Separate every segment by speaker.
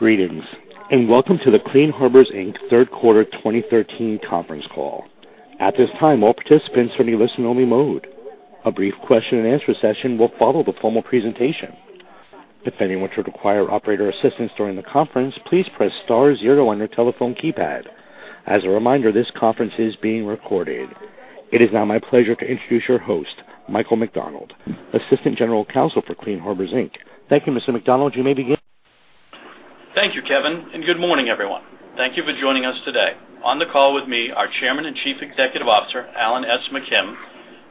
Speaker 1: Greetings, and welcome to the Clean Harbors Inc. Third Quarter 2013 Conference Call. At this time, all participants are in listen-only mode. A brief question-and-answer session will follow the formal presentation. If anyone should require operator assistance during the conference, please press star zero on your telephone keypad. As a reminder, this conference is being recorded. It is now my pleasure to introduce your host, Michael McDonald, Assistant General Counsel for Clean Harbors Inc. Thank you, Mr. McDonald. You may begin.
Speaker 2: Thank you, Kevin, and good morning, everyone. Thank you for joining us today. On the call with me are Chairman and Chief Executive Officer, Alan S. McKim,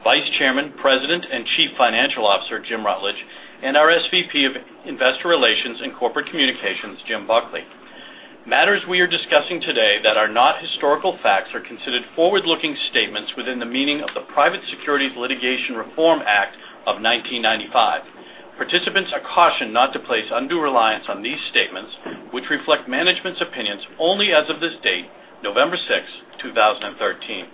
Speaker 2: Vice Chairman, President and Chief Financial Officer, Jim Rutledge, and our SVP of Investor Relations and Corporate Communications, Jim Buckley. Matters we are discussing today that are not historical facts are considered forward-looking statements within the meaning of the Private Securities Litigation Reform Act of 1995. Participants are cautioned not to place undue reliance on these statements, which reflect management's opinions only as of this date, November 6, 2013.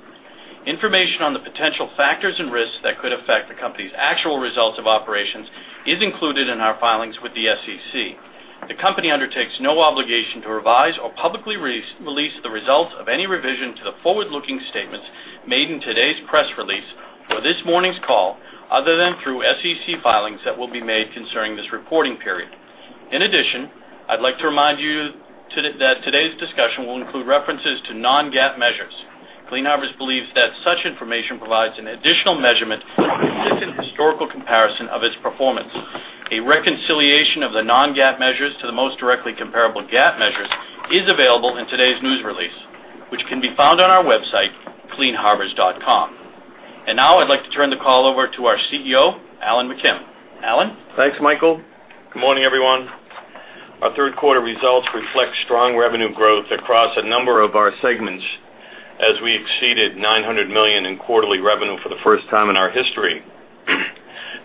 Speaker 2: Information on the potential factors and risks that could affect the company's actual results of operations is included in our filings with the SEC. The company undertakes no obligation to revise or publicly release the results of any revision to the forward-looking statements made in today's press release or this morning's call, other than through SEC filings that will be made concerning this reporting period. In addition, I'd like to remind you that today's discussion will include references to non-GAAP measures. Clean Harbors believes that such information provides an additional measurement for consistent historical comparison of its performance. A reconciliation of the non-GAAP measures to the most directly comparable GAAP measures is available in today's news release, which can be found on our website, cleanharbors.com. And now I'd like to turn the call over to our CEO, Alan McKim. Alan?
Speaker 3: Thanks, Michael. Good morning, everyone. Our third quarter results reflect strong revenue growth across a number of our segments as we exceeded $900 million in quarterly revenue for the first time in our history.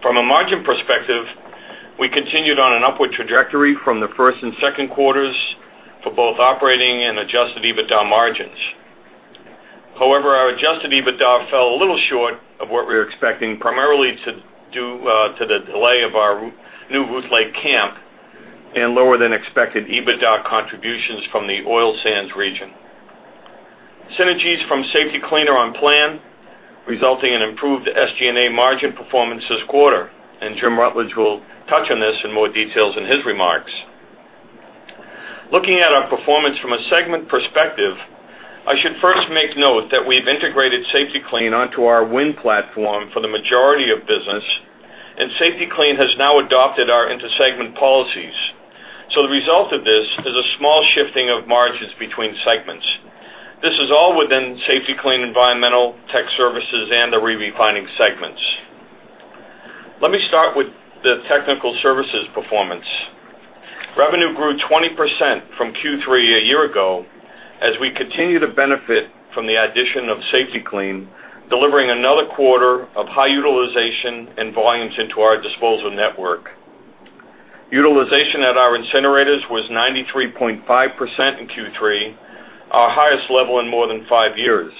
Speaker 3: From a margin perspective, we continued on an upward trajectory from the first and second quarters for both operating and adjusted EBITDA margins. However, our adjusted EBITDA fell a little short of what we were expecting, primarily due to the delay of our new Ruth Lake camp and lower than expected EBITDA contributions from the oil sands region. Synergies from Safety-Kleen are on plan, resulting in improved SG&A margin performance this quarter, and Jim Rutledge will touch on this in more detail in his remarks. Looking at our performance from a segment perspective, I should first make note that we've integrated Safety-Kleen onto our WIN platform for the majority of business, and Safety-Kleen has now adopted our intersegment policies. So the result of this is a small shifting of margins between segments. This is all within Safety-Kleen, Environmental, Technical Services, and the re-refining segments. Let me start with the Technical Services performance. Revenue grew 20% from Q3 a year ago, as we continue to benefit from the addition of Safety-Kleen, delivering another quarter of high utilization and volumes into our disposal network. Utilization at our incinerators was 93.5% in Q3, our highest level in more than five years.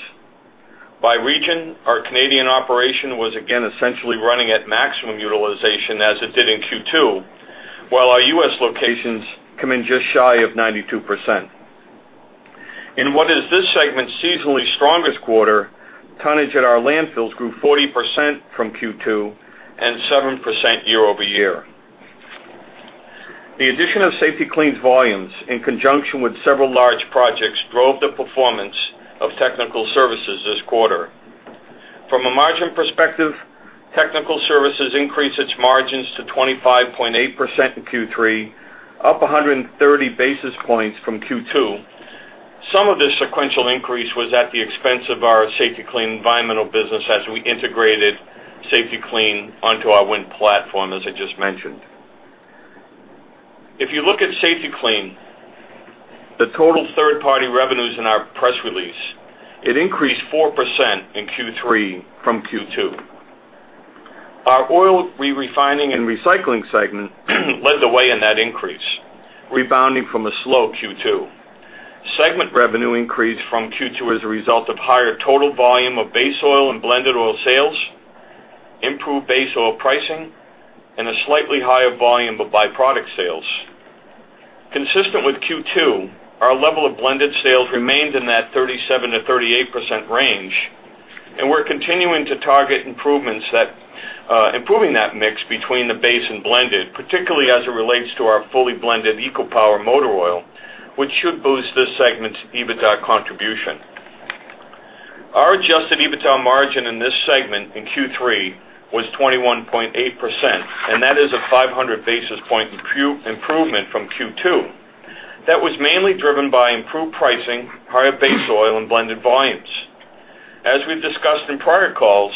Speaker 3: By region, our Canadian operation was again, essentially running at maximum utilization as it did in Q2, while our U.S. locations come in just shy of 92%. In what is this segment's seasonally strongest quarter, tonnage at our landfills grew 40% from Q2, and 7% year over year. The addition of Safety-Kleen's volumes, in conjunction with several large projects, drove the performance of Technical Services this quarter. From a margin perspective, Technical Services increased its margins to 25.8% in Q3, up 130 basis points from Q2. Some of this sequential increase was at the expense of our Safety-Kleen Environmental business, as we integrated Safety-Kleen onto our WIN platform, as I just mentioned. If you look at Safety-Kleen, the total third-party revenues in our press release, it increased 4% in Q3 from Q2. Our oil re-refining and recycling segment led the way in that increase, rebounding from a slow Q2. Segment revenue increased from Q2 as a result of higher total volume of base oil and blended oil sales, improved base oil pricing, and a slightly higher volume of byproduct sales. Consistent with Q2, our level of blended sales remained in that 37%-38% range, and we're continuing to target improvements that improving that mix between the base and blended, particularly as it relates to our fully blended EcoPower motor oil, which should boost this segment's EBITDA contribution. Our Adjusted EBITDA margin in this segment in Q3 was 21.8%, and that is a 500 basis points improvement from Q2. That was mainly driven by improved pricing, higher base oil and blended volumes. As we've discussed in prior calls,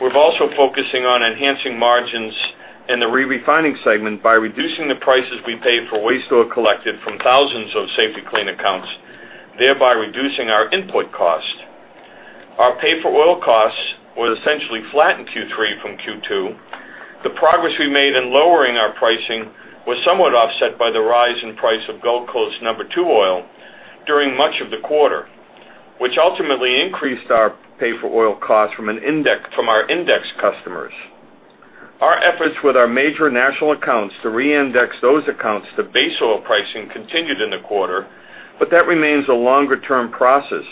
Speaker 3: we're also focusing on enhancing margins in the re-refining segment by reducing the prices we pay for waste oil collected from thousands of Safety-Kleen accounts, thereby reducing our input cost. Our Pay-for-Oil costs was essentially flat in Q3 from Q2. The progress we made in lowering our pricing was somewhat offset by the rise in price of Gulf Coast No. 2 oil during much of the quarter, which ultimately increased our Pay-for-Oil costs from an index, from our index customers. Our efforts with our major national accounts to reindex those accounts to base oil pricing continued in the quarter, but that remains a longer-term process.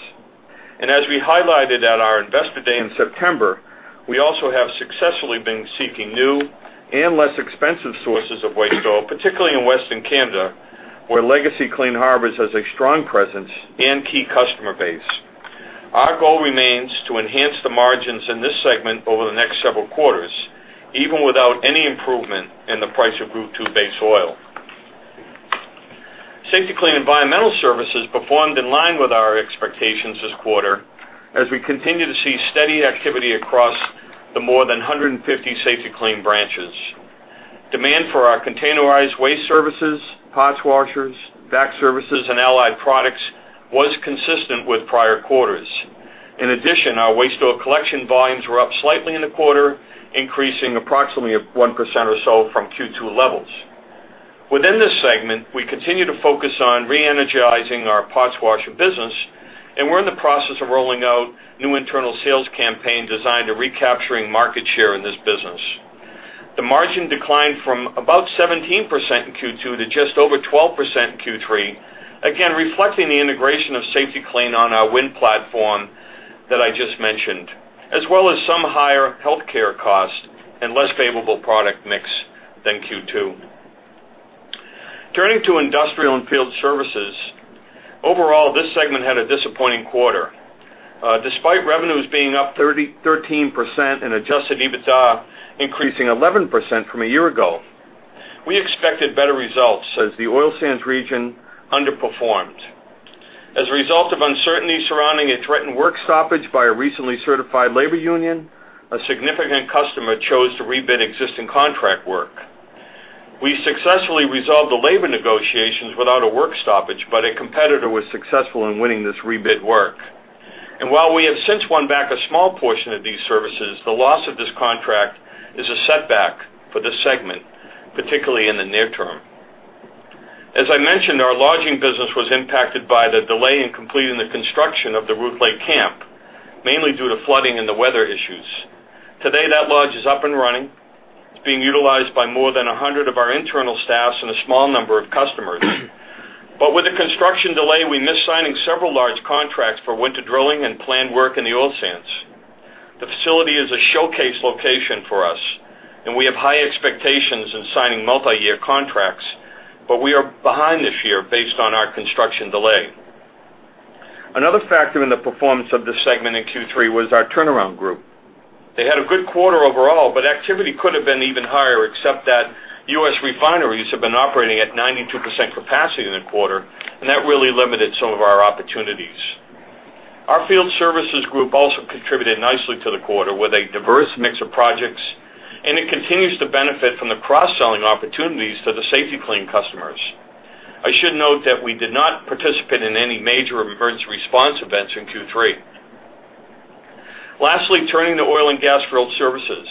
Speaker 3: As we highlighted at our Investor Day in September, we also have successfully been seeking new and less expensive sources of waste oil, particularly in Western Canada, where legacy Clean Harbors has a strong presence and key customer base. Our goal remains to enhance the margins in this segment over the next several quarters, even without any improvement in the price of Group II base oil. Safety-Kleen Environmental Services performed in line with our expectations this quarter, as we continue to see steady activity across the more than 150 Safety-Kleen branches. Demand for our containerized waste services, parts washers, Vac services, and allied products was consistent with prior quarters. In addition, our waste oil collection volumes were up slightly in the quarter, increasing approximately 1% or so from Q2 levels. Within this segment, we continue to focus on re-energizing our parts washer business, and we're in the process of rolling out new internal sales campaign designed to recapturing market share in this business. The margin declined from about 17% in Q2 to just over 12% in Q3, again, reflecting the integration of Safety-Kleen on our Win platform that I just mentioned, as well as some higher healthcare costs and less favorable product mix than Q2. Turning to Industrial and Field Services, overall, this segment had a disappointing quarter. Despite revenues being up thirteen percent and adjusted EBITDA increasing 11% from a year ago, we expected better results as the oil sands region underperformed. As a result of uncertainty surrounding a threatened work stoppage by a recently certified labor union, a significant customer chose to rebid existing contract work. We successfully resolved the labor negotiations without a work stoppage, but a competitor was successful in winning this rebid work. While we have since won back a small portion of these services, the loss of this contract is a setback for this segment, particularly in the near term. As I mentioned, our lodging business was impacted by the delay in completing the construction of the Ruth Lake camp, mainly due to flooding and the weather issues. Today, that lodge is up and running. It's being utilized by more than 100 of our internal staffs and a small number of customers. With the construction delay, we missed signing several large contracts for winter drilling and planned work in the oil sands. The facility is a showcase location for us, and we have high expectations in signing multi-year contracts, but we are behind this year based on our construction delay. Another factor in the performance of this segment in Q3 was our turnaround group. They had a good quarter overall, but activity could have been even higher, except that U.S. refineries have been operating at 92% capacity in the quarter, and that really limited some of our opportunities. Our field services group also contributed nicely to the quarter with a diverse mix of projects, and it continues to benefit from the cross-selling opportunities to the Safety-Kleen customers. I should note that we did not participate in any major emergency response events in Q3. Lastly, turning to Oil and Gas Field Services.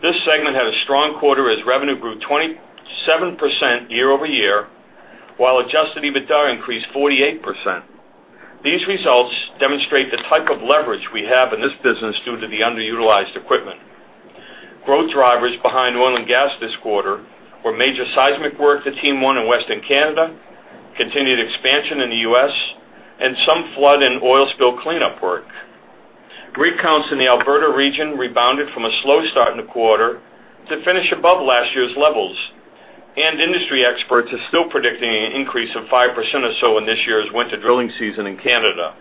Speaker 3: This segment had a strong quarter as revenue grew 27% year-over-year, while Adjusted EBITDA increased 48%. These results demonstrate the type of leverage we have in this business due to the underutilized equipment. Growth drivers behind oil and gas this quarter were major seismic work that T1 in Western Canada, continued expansion in the U.S., and some flood and oil spill cleanup work. Rig counts in the Alberta region rebounded from a slow start in the quarter to finish above last year's levels, and industry experts are still predicting an increase of 5% or so in this year's winter drilling season in Canada.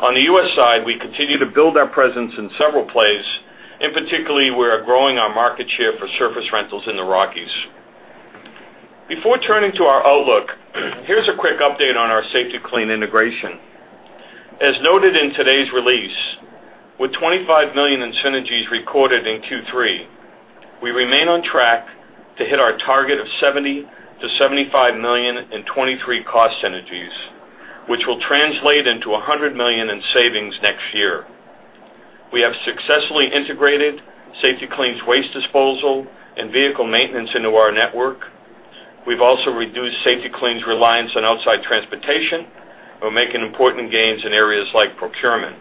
Speaker 3: On the U.S. side, we continue to build our presence in several plays, and particularly, we are growing our market share for surface rentals in the Rockies. Before turning to our outlook, here's a quick update on our Safety-Kleen integration. As noted in today's release, with $25 million in synergies recorded in Q3, we remain on track to hit our target of $70 million-$75 million in 2013 cost synergies, which will translate into $100 million in savings next year. We have successfully integrated Safety-Kleen's waste disposal and vehicle maintenance into our network. We've also reduced Safety-Kleen's reliance on outside transportation while making important gains in areas like procurement.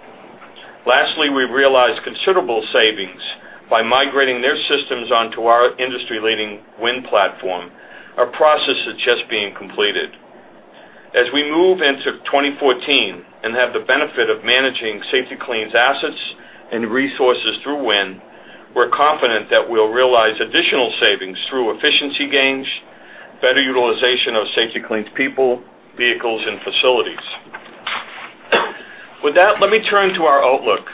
Speaker 3: Lastly, we've realized considerable savings by migrating their systems onto our industry-leading WIN platform, a process that's just being completed. As we move into 2014 and have the benefit of managing Safety-Kleen's assets and resources through WIN, we're confident that we'll realize additional savings through efficiency gains, better utilization of Safety-Kleen's people, vehicles, and facilities. With that, let me turn to our outlook.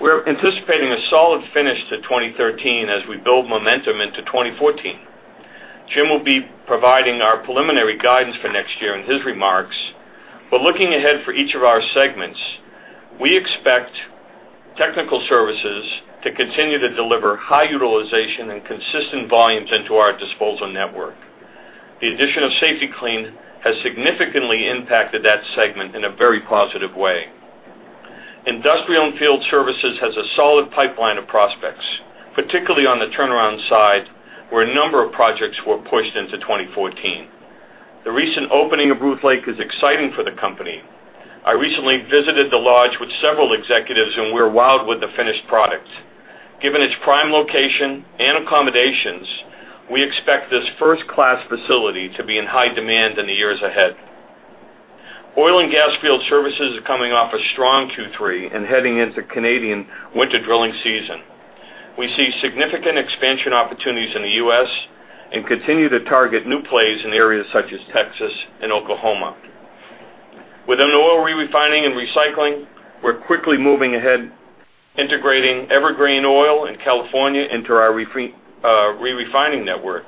Speaker 3: We're anticipating a solid finish to 2013 as we build momentum into 2014. Jim will be providing our preliminary guidance for next year in his remarks, but looking ahead for each of our segments, we expect Technical Services to continue to deliver high utilization and consistent volumes into our disposal network. The addition of Safety-Kleen has significantly impacted that segment in a very positive way. Industrial and Field Services has a solid pipeline of prospects, particularly on the turnaround side, where a number of projects were pushed into 2014. The recent opening of Ruth Lake is exciting for the company. I recently visited the lodge with several executives, and we're wowed with the finished product. Given its prime location and accommodations, we expect this first-class facility to be in high demand in the years ahead. Oil and gas field services are coming off a strong Q3 and heading into Canadian winter drilling season. We see significant expansion opportunities in the US and continue to target new plays in areas such as Texas and Oklahoma. Within oil re-refining and recycling, we're quickly moving ahead, integrating Evergreen Oil in California into our re-refining network.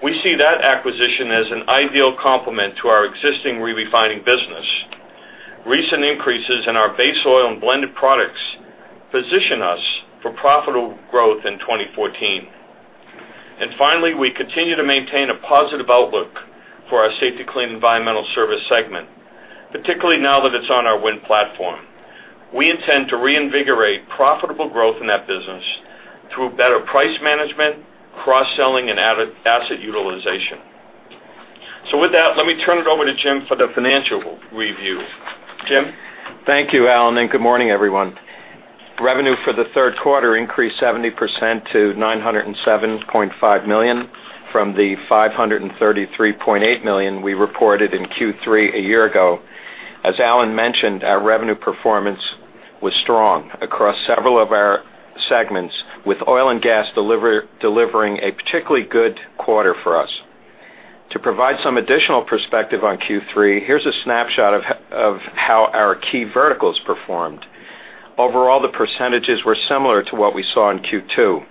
Speaker 3: We see that acquisition as an ideal complement to our existing re-refining business. Recent increases in our base oil and blended products position us for profitable growth in 2014. And finally, we continue to maintain a positive outlook for our Safety-Kleen Environmental Service segment, particularly now that it's on our WIN platform. We intend to reinvigorate profitable growth in that business through better price management, cross-selling, and added asset utilization. So with that, let me turn it over to Jim for the financial review. Jim?
Speaker 4: Thank you, Alan, and good morning, everyone. Revenue for the third quarter increased 70% to $907.5 million, from the $533.8 million we reported in Q3 a year ago. As Alan mentioned, our revenue performance was strong across several of our segments, with oil and gas delivering a particularly good quarter for us. To provide some additional perspective on Q3, here's a snapshot of of how our key verticals performed. Overall, the percentages were similar to what we saw in Q2.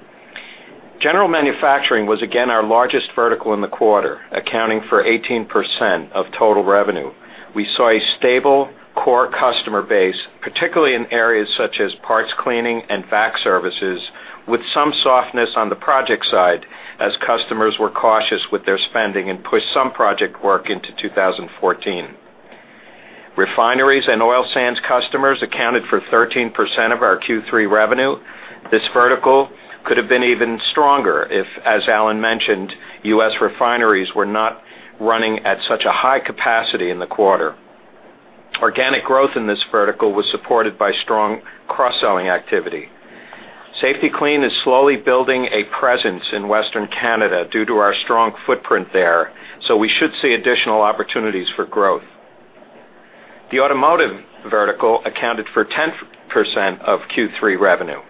Speaker 4: General manufacturing was again, our largest vertical in the quarter, accounting for 18% of total revenue. We saw a stable core customer base, particularly in areas such as parts cleaning and Vac services, with some softness on the project side, as customers were cautious with their spending and pushed some project work into 2014. Refineries and oil sands customers accounted for 13% of our Q3 revenue. This vertical could have been even stronger if, as Alan mentioned, U.S. refineries were not running at such a high capacity in the quarter. Organic growth in this vertical was supported by strong cross-selling activity. Safety-Kleen is slowly building a presence in Western Canada due to our strong footprint there, so we should see additional opportunities for growth. The automotive vertical accounted for 10% of Q3 revenue.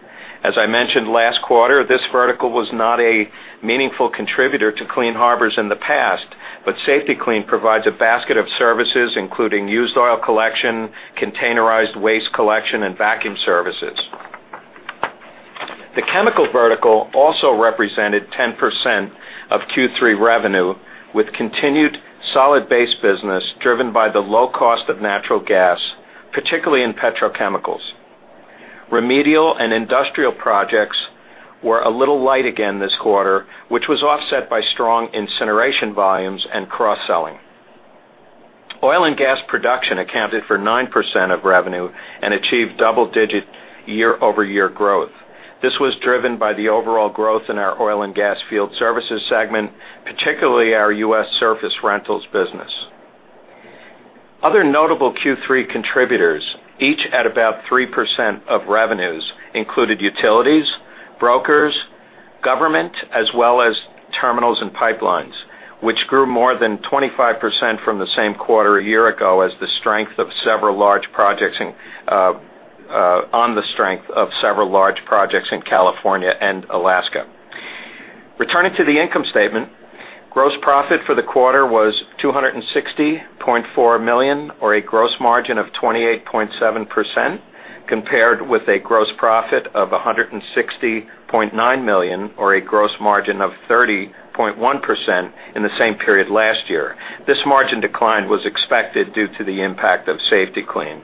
Speaker 4: As I mentioned last quarter, this vertical was not a meaningful contributor to Clean Harbors in the past, but Safety-Kleen provides a basket of services, including used oil collection, containerized waste collection, and vacuum services. The chemical vertical also represented 10% of Q3 revenue, with continued solid base business driven by the low cost of natural gas, particularly in petrochemicals. Remedial and industrial projects were a little light again this quarter, which was offset by strong incineration volumes and cross-selling. Oil and gas production accounted for 9% of revenue and achieved double-digit year-over-year growth. This was driven by the overall growth in our oil and gas field services segment, particularly our U.S. surface rentals business. Other notable Q3 contributors, each at about 3% of revenues, included utilities, brokers, government, as well as terminals and pipelines, which grew more than 25% from the same quarter a year ago on the strength of several large projects in California and Alaska. Returning to the income statement, gross profit for the quarter was $260.4 million, or a gross margin of 28.7%, compared with a gross profit of $160.9 million, or a gross margin of 30.1% in the same period last year. This margin decline was expected due to the impact of Safety-Kleen.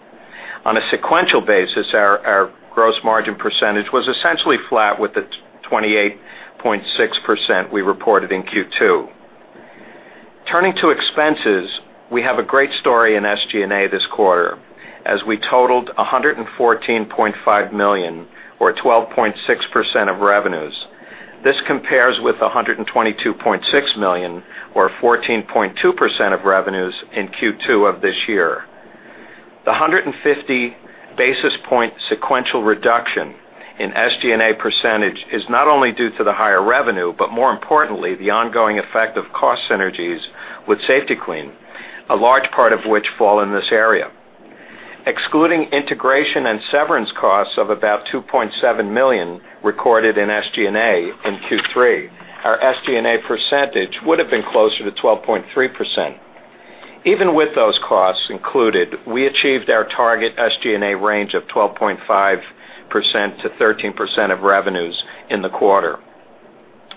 Speaker 4: On a sequential basis, our gross margin percentage was essentially flat with the 28.6% we reported in Q2. Turning to expenses, we have a great story in SG&A this quarter, as we totaled $114.5 million, or 12.6% of revenues. This compares with $122.6 million, or 14.2% of revenues, in Q2 of this year. The 150 basis point sequential reduction in SG&A percentage is not only due to the higher revenue, but more importantly, the ongoing effect of cost synergies with Safety-Kleen, a large part of which fall in this area. Excluding integration and severance costs of about $2.7 million recorded in SG&A in Q3, our SG&A percentage would have been closer to 12.3%. Even with those costs included, we achieved our target SG&A range of 12.5%-13% of revenues in the quarter.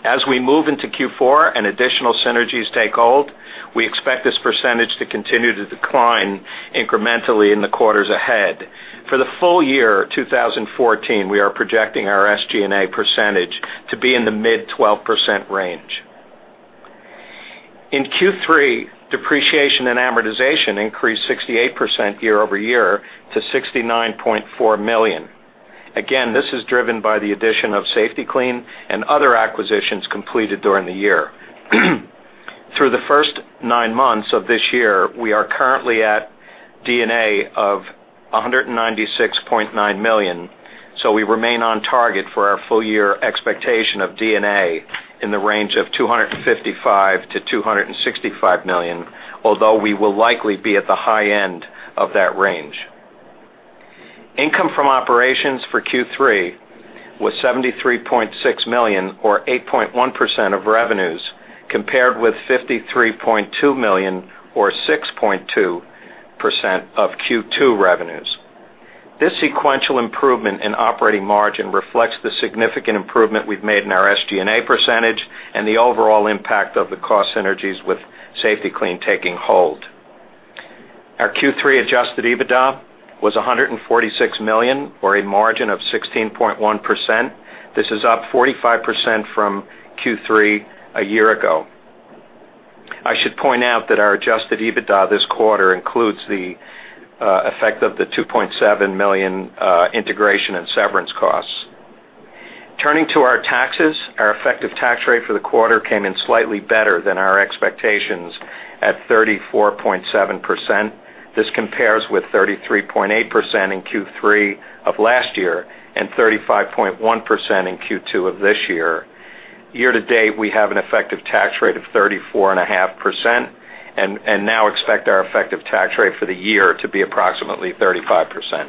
Speaker 4: As we move into Q4 and additional synergies take hold, we expect this percentage to continue to decline incrementally in the quarters ahead. For the full year 2014, we are projecting our SG&A percentage to be in the mid-12% range. In Q3, depreciation and amortization increased 68% year-over-year to $69.4 million. Again, this is driven by the addition of Safety-Kleen and other acquisitions completed during the year. Through the first nine months of this year, we are currently at D&A of $196.9 million, so we remain on target for our full year expectation of D&A in the range of $255 million-$265 million, although we will likely be at the high end of that range. Income from operations for Q3 was $73.6 million, or 8.1% of revenues, compared with $53.2 million, or 6.2% of Q2 revenues. This sequential improvement in operating margin reflects the significant improvement we've made in our SG&A percentage and the overall impact of the cost synergies with Safety-Kleen taking hold. Our Q3 adjusted EBITDA was $146 million, or a margin of 16.1%. This is up 45% from Q3 a year ago. I should point out that our adjusted EBITDA this quarter includes the effect of the $2.7 million integration and severance costs. Turning to our taxes, our effective tax rate for the quarter came in slightly better than our expectations at 34.7%. This compares with 33.8% in Q3 of last year and 35.1% in Q2 of this year. Year to date, we have an effective tax rate of 34.5%, and now expect our effective tax rate for the year to be approximately 35%.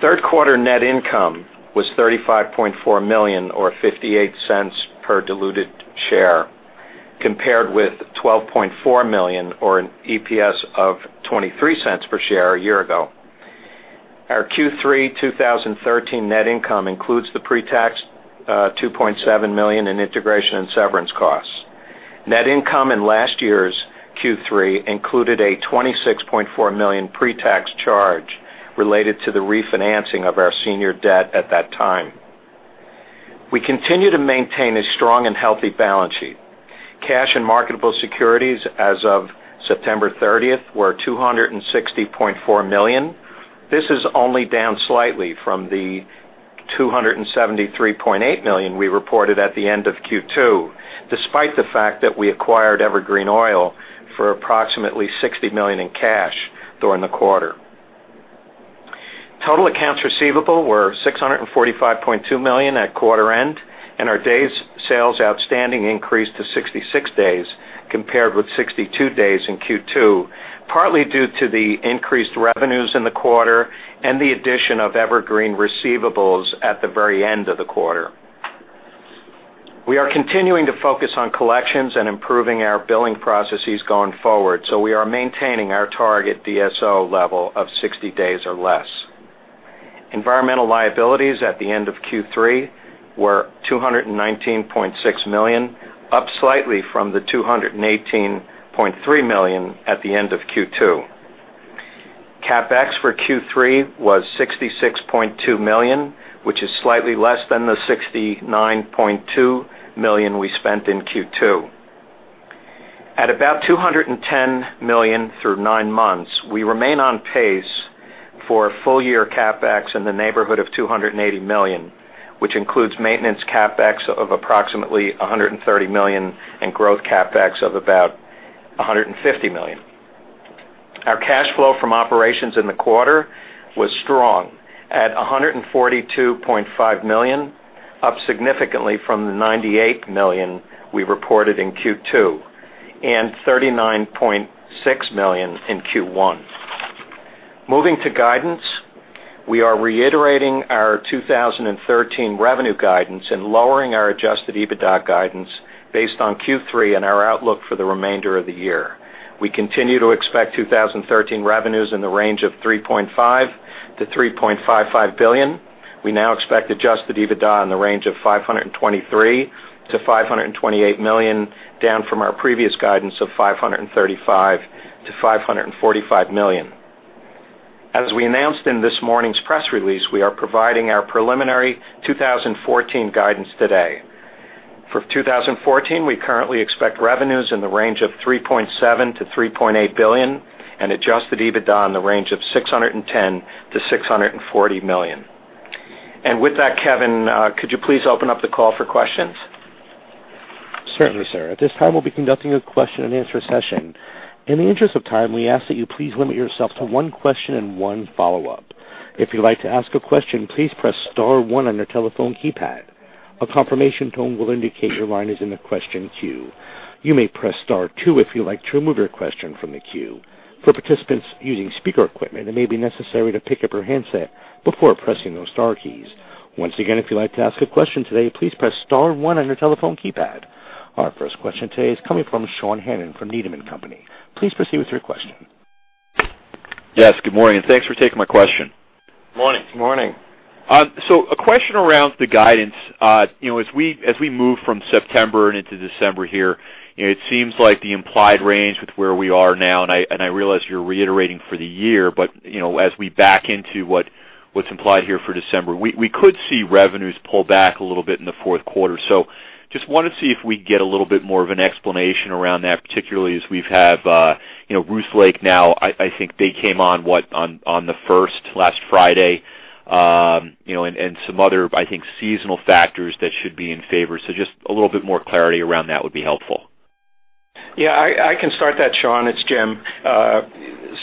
Speaker 4: Third quarter net income was $35.4 million, or $0.58 per diluted share, compared with $12.4 million or an EPS of $0.23 per share a year ago. Our Q3 2013 net income includes the pre-tax, $2.7 million in integration and severance costs. Net income in last year's Q3 included a $26.4 million pre-tax charge related to the refinancing of our senior debt at that time. We continue to maintain a strong and healthy balance sheet. Cash and marketable securities as of September 30 were $260.4 million. This is only down slightly from the $273.8 million we reported at the end of Q2, despite the fact that we acquired Evergreen Oil for approximately $60 million in cash during the quarter. Total accounts receivable were $645.2 million at quarter end, and our days sales outstanding increased to 66 days, compared with 62 days in Q2, partly due to the increased revenues in the quarter and the addition of Evergreen receivables at the very end of the quarter. We are continuing to focus on collections and improving our billing processes going forward, so we are maintaining our target DSO level of 60 days or less. Environmental liabilities at the end of Q3 were $219.6 million, up slightly from the $218.3 million at the end of Q2. CapEx for Q3 was $66.2 million, which is slightly less than the $69.2 million we spent in Q2. At about $210 million through nine months, we remain on pace for full year CapEx in the neighborhood of $280 million, which includes maintenance CapEx of approximately $130 million and growth CapEx of about $150 million. Our cash flow from operations in the quarter was strong at $142.5 million, up significantly from the $98 million we reported in Q2, and $39.6 million in Q1. Moving to guidance, we are reiterating our 2013 revenue guidance and lowering our Adjusted EBITDA guidance based on Q3 and our outlook for the remainder of the year. We continue to expect 2013 revenues in the range of $3.5 billion-$3.55 billion. We now expect Adjusted EBITDA in the range of $523 million-$528 million, down from our previous guidance of $535 million-$545 million. As we announced in this morning's press release, we are providing our preliminary 2014 guidance today. For 2014, we currently expect revenues in the range of $3.7 billion-$3.8 billion and Adjusted EBITDA in the range of $610 million-$640 million. And with that, Kevin, could you please open up the call for questions?
Speaker 1: Certainly, sir. At this time, we'll be conducting a question and answer session. In the interest of time, we ask that you please limit yourself to one question and one follow-up. If you'd like to ask a question, please press star one on your telephone keypad. A confirmation tone will indicate your line is in the question queue. You may press star two if you'd like to remove your question from the queue. For participants using speaker equipment, it may be necessary to pick up your handset before pressing those star keys. Once again, if you'd like to ask a question today, please press star one on your telephone keypad. Our first question today is coming from Sean Hannan from Needham & Company. Please proceed with your question.
Speaker 5: Yes, good morning, and thanks for taking my question.
Speaker 4: Morning.
Speaker 3: Good morning.
Speaker 5: So a question around the guidance. You know, as we move from September and into December here, it seems like the implied range with where we are now, and I realize you're reiterating for the year, but, you know, as we back into what's implied here for December, we could see revenues pull back a little bit in the fourth quarter. So, just wanted to see if we could get a little bit more of an explanation around that, particularly as we have, you know, Ruth Lake now, I think they came on the first last Friday, you know, and some other, I think, seasonal factors that should be in favor. So just a little bit more clarity around that would be helpful.
Speaker 4: Yeah, I can start that, Sean. It's Jim.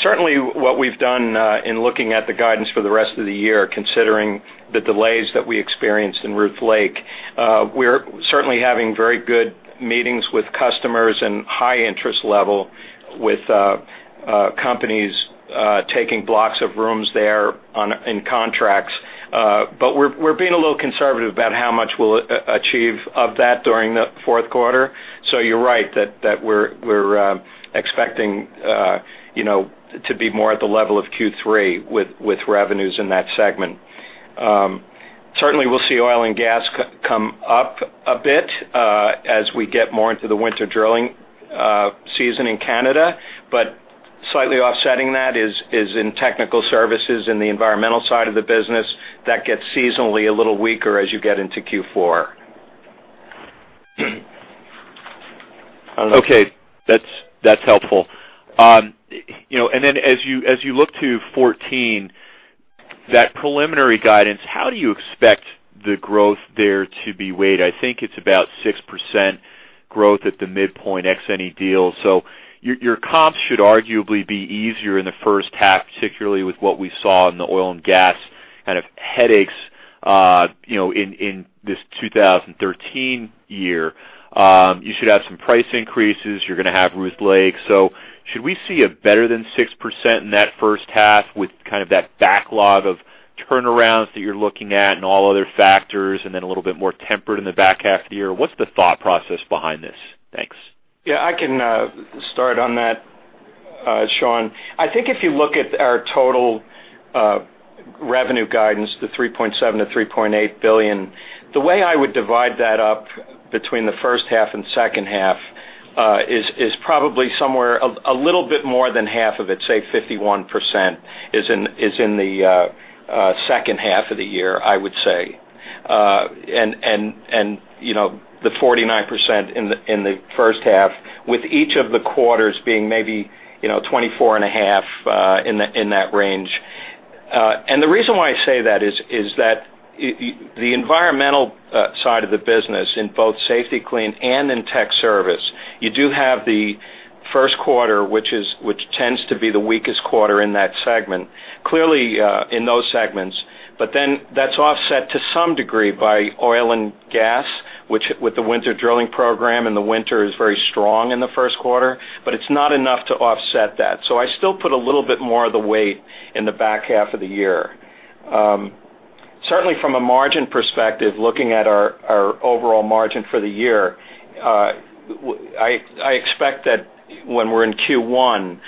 Speaker 4: Certainly what we've done, in looking at the guidance for the rest of the year, considering the delays that we experienced in Ruth Lake, we're certainly having very good meetings with customers and high interest level with companies taking blocks of rooms there on in contracts. But we're being a little conservative about how much we'll achieve of that during the fourth quarter. So you're right, that we're expecting, you know, to be more at the level of Q3 with revenues in that segment. Certainly, we'll see oil and gas come up a bit, as we get more into the winter drilling season in Canada. But slightly offsetting that is in technical services in the environmental side of the business, that gets seasonally a little weaker as you get into Q4.
Speaker 5: Okay. That's helpful. You know, and then as you look to 2014, that preliminary guidance, how do you expect the growth there to be weighed? I think it's about 6% growth at the midpoint ex any deal. So your comps should arguably be easier in the first half, particularly with what we saw in the oil and gas kind of headaches, you know, in this 2013 year. You should have some price increases. You're gonna have Ruth Lake. So should we see a better than 6% in that first half with kind of that backlog of turnarounds that you're looking at and all other factors, and then a little bit more tempered in the back half of the year? What's the thought process behind this? Thanks.
Speaker 4: Yeah, I can start on that, Sean. I think if you look at our total revenue guidance, the $3.7 billion-$3.8 billion, the way I would divide that up between the first half and second half is probably somewhere a little bit more than half of it, say 51%, is in the second half of the year, I would say. And you know, the 49% in the first half, with each of the quarters being maybe, you know, 24.5 in that range. And the reason why I say that is that the environmental side of the business, in both Safety-Kleen and in tech service, you do have the first quarter, which tends to be the weakest quarter in that segment. Clearly, in those segments, but then that's offset to some degree by oil and gas, which, with the winter drilling program, and the winter is very strong in the first quarter, but it's not enough to offset that. So I still put a little bit more of the weight in the back half of the year. Certainly from a margin perspective, looking at our overall margin for the year, I expect that when we're in Q1,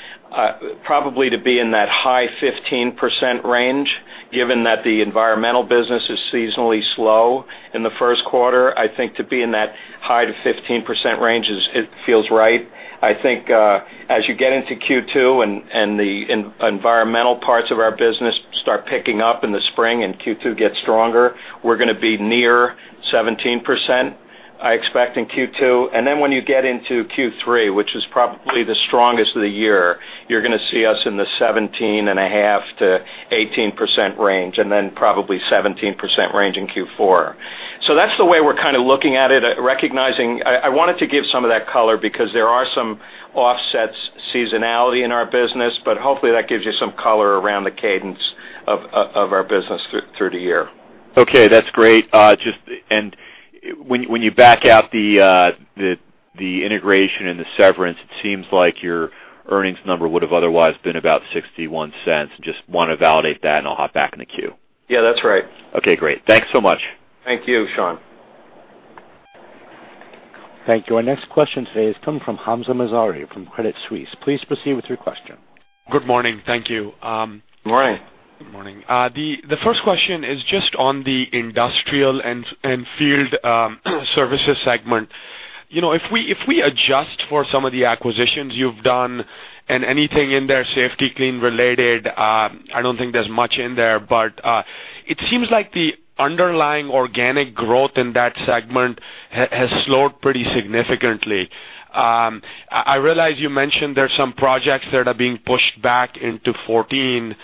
Speaker 4: probably to be in that high 15% range, given that the environmental business is seasonally slow in the first quarter. I think to be in that high- to 15% range is, it feels right. I think, as you get into Q2 and, and the environmental parts of our business start picking up in the spring and Q2 gets stronger, we're gonna be near 17%, I expect in Q2. And then when you get into Q3, which is probably the strongest of the year, you're gonna see us in the 17.5%-18% range, and then probably 17% range in Q4. So that's the way we're kind of looking at it, recognizing... I, I wanted to give some of that color because there are some offsets, seasonality in our business, but hopefully, that gives you some color around the cadence of, of, of our business through the year.
Speaker 5: Okay, that's great. Just when you back out the integration and the severance, it seems like your earnings number would have otherwise been about $0.61. Just wanna validate that, and I'll hop back in the queue.
Speaker 4: Yeah, that's right.
Speaker 5: Okay, great. Thanks so much.
Speaker 4: Thank you, Sean.
Speaker 1: Thank you. Our next question today is coming from Hamzah Mazari from Credit Suisse. Please proceed with your question.
Speaker 6: Good morning. Thank you,
Speaker 4: Good morning.
Speaker 6: Good morning. The first question is just on the industrial and field services segment. You know, if we adjust for some of the acquisitions you've done and anything in there Safety-Kleen related, I don't think there's much in there, but it seems like the underlying organic growth in that segment has slowed pretty significantly. I realize you mentioned there's some projects that are being pushed back into 2014,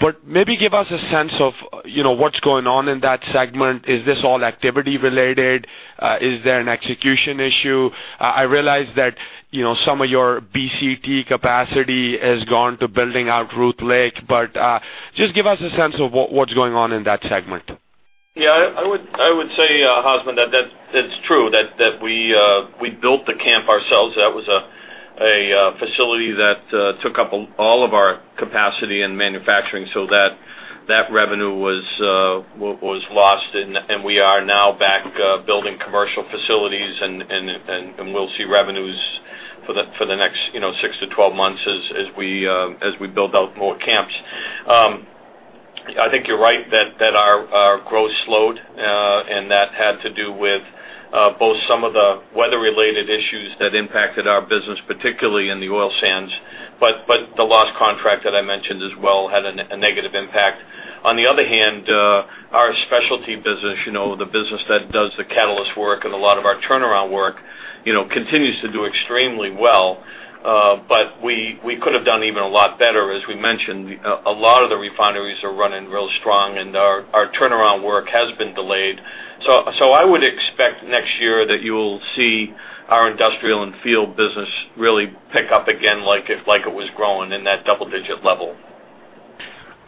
Speaker 6: but maybe give us a sense of, you know, what's going on in that segment. Is this all activity related? Is there an execution issue? I realize that, you know, some of your BCT capacity has gone to building out Ruth Lake, but just give us a sense of what's going on in that segment.
Speaker 3: Yeah, I would say, Hamzah, that it's true that we built the camp ourselves. That was a facility that took up all of our capacity and manufacturing, so that revenue was lost, and we are now back building commercial facilities, and we'll see revenues for the next, you know, 6 months-12 months as we build out more camps. I think you're right that our growth slowed, and that had to do with both some of the weather-related issues that impacted our business, particularly in the oil sands, but the lost contract that I mentioned as well had a negative impact. On the other hand, our specialty business, you know, the business that does the catalyst work and a lot of our turnaround work, you know, continues to do extremely well. But we, we could have done even a lot better. As we mentioned, a lot of the refineries are running real strong, and our, our turnaround work has been delayed. So I would expect next year that you'll see our industrial and field business really pick up again like it was growing in that double digit level.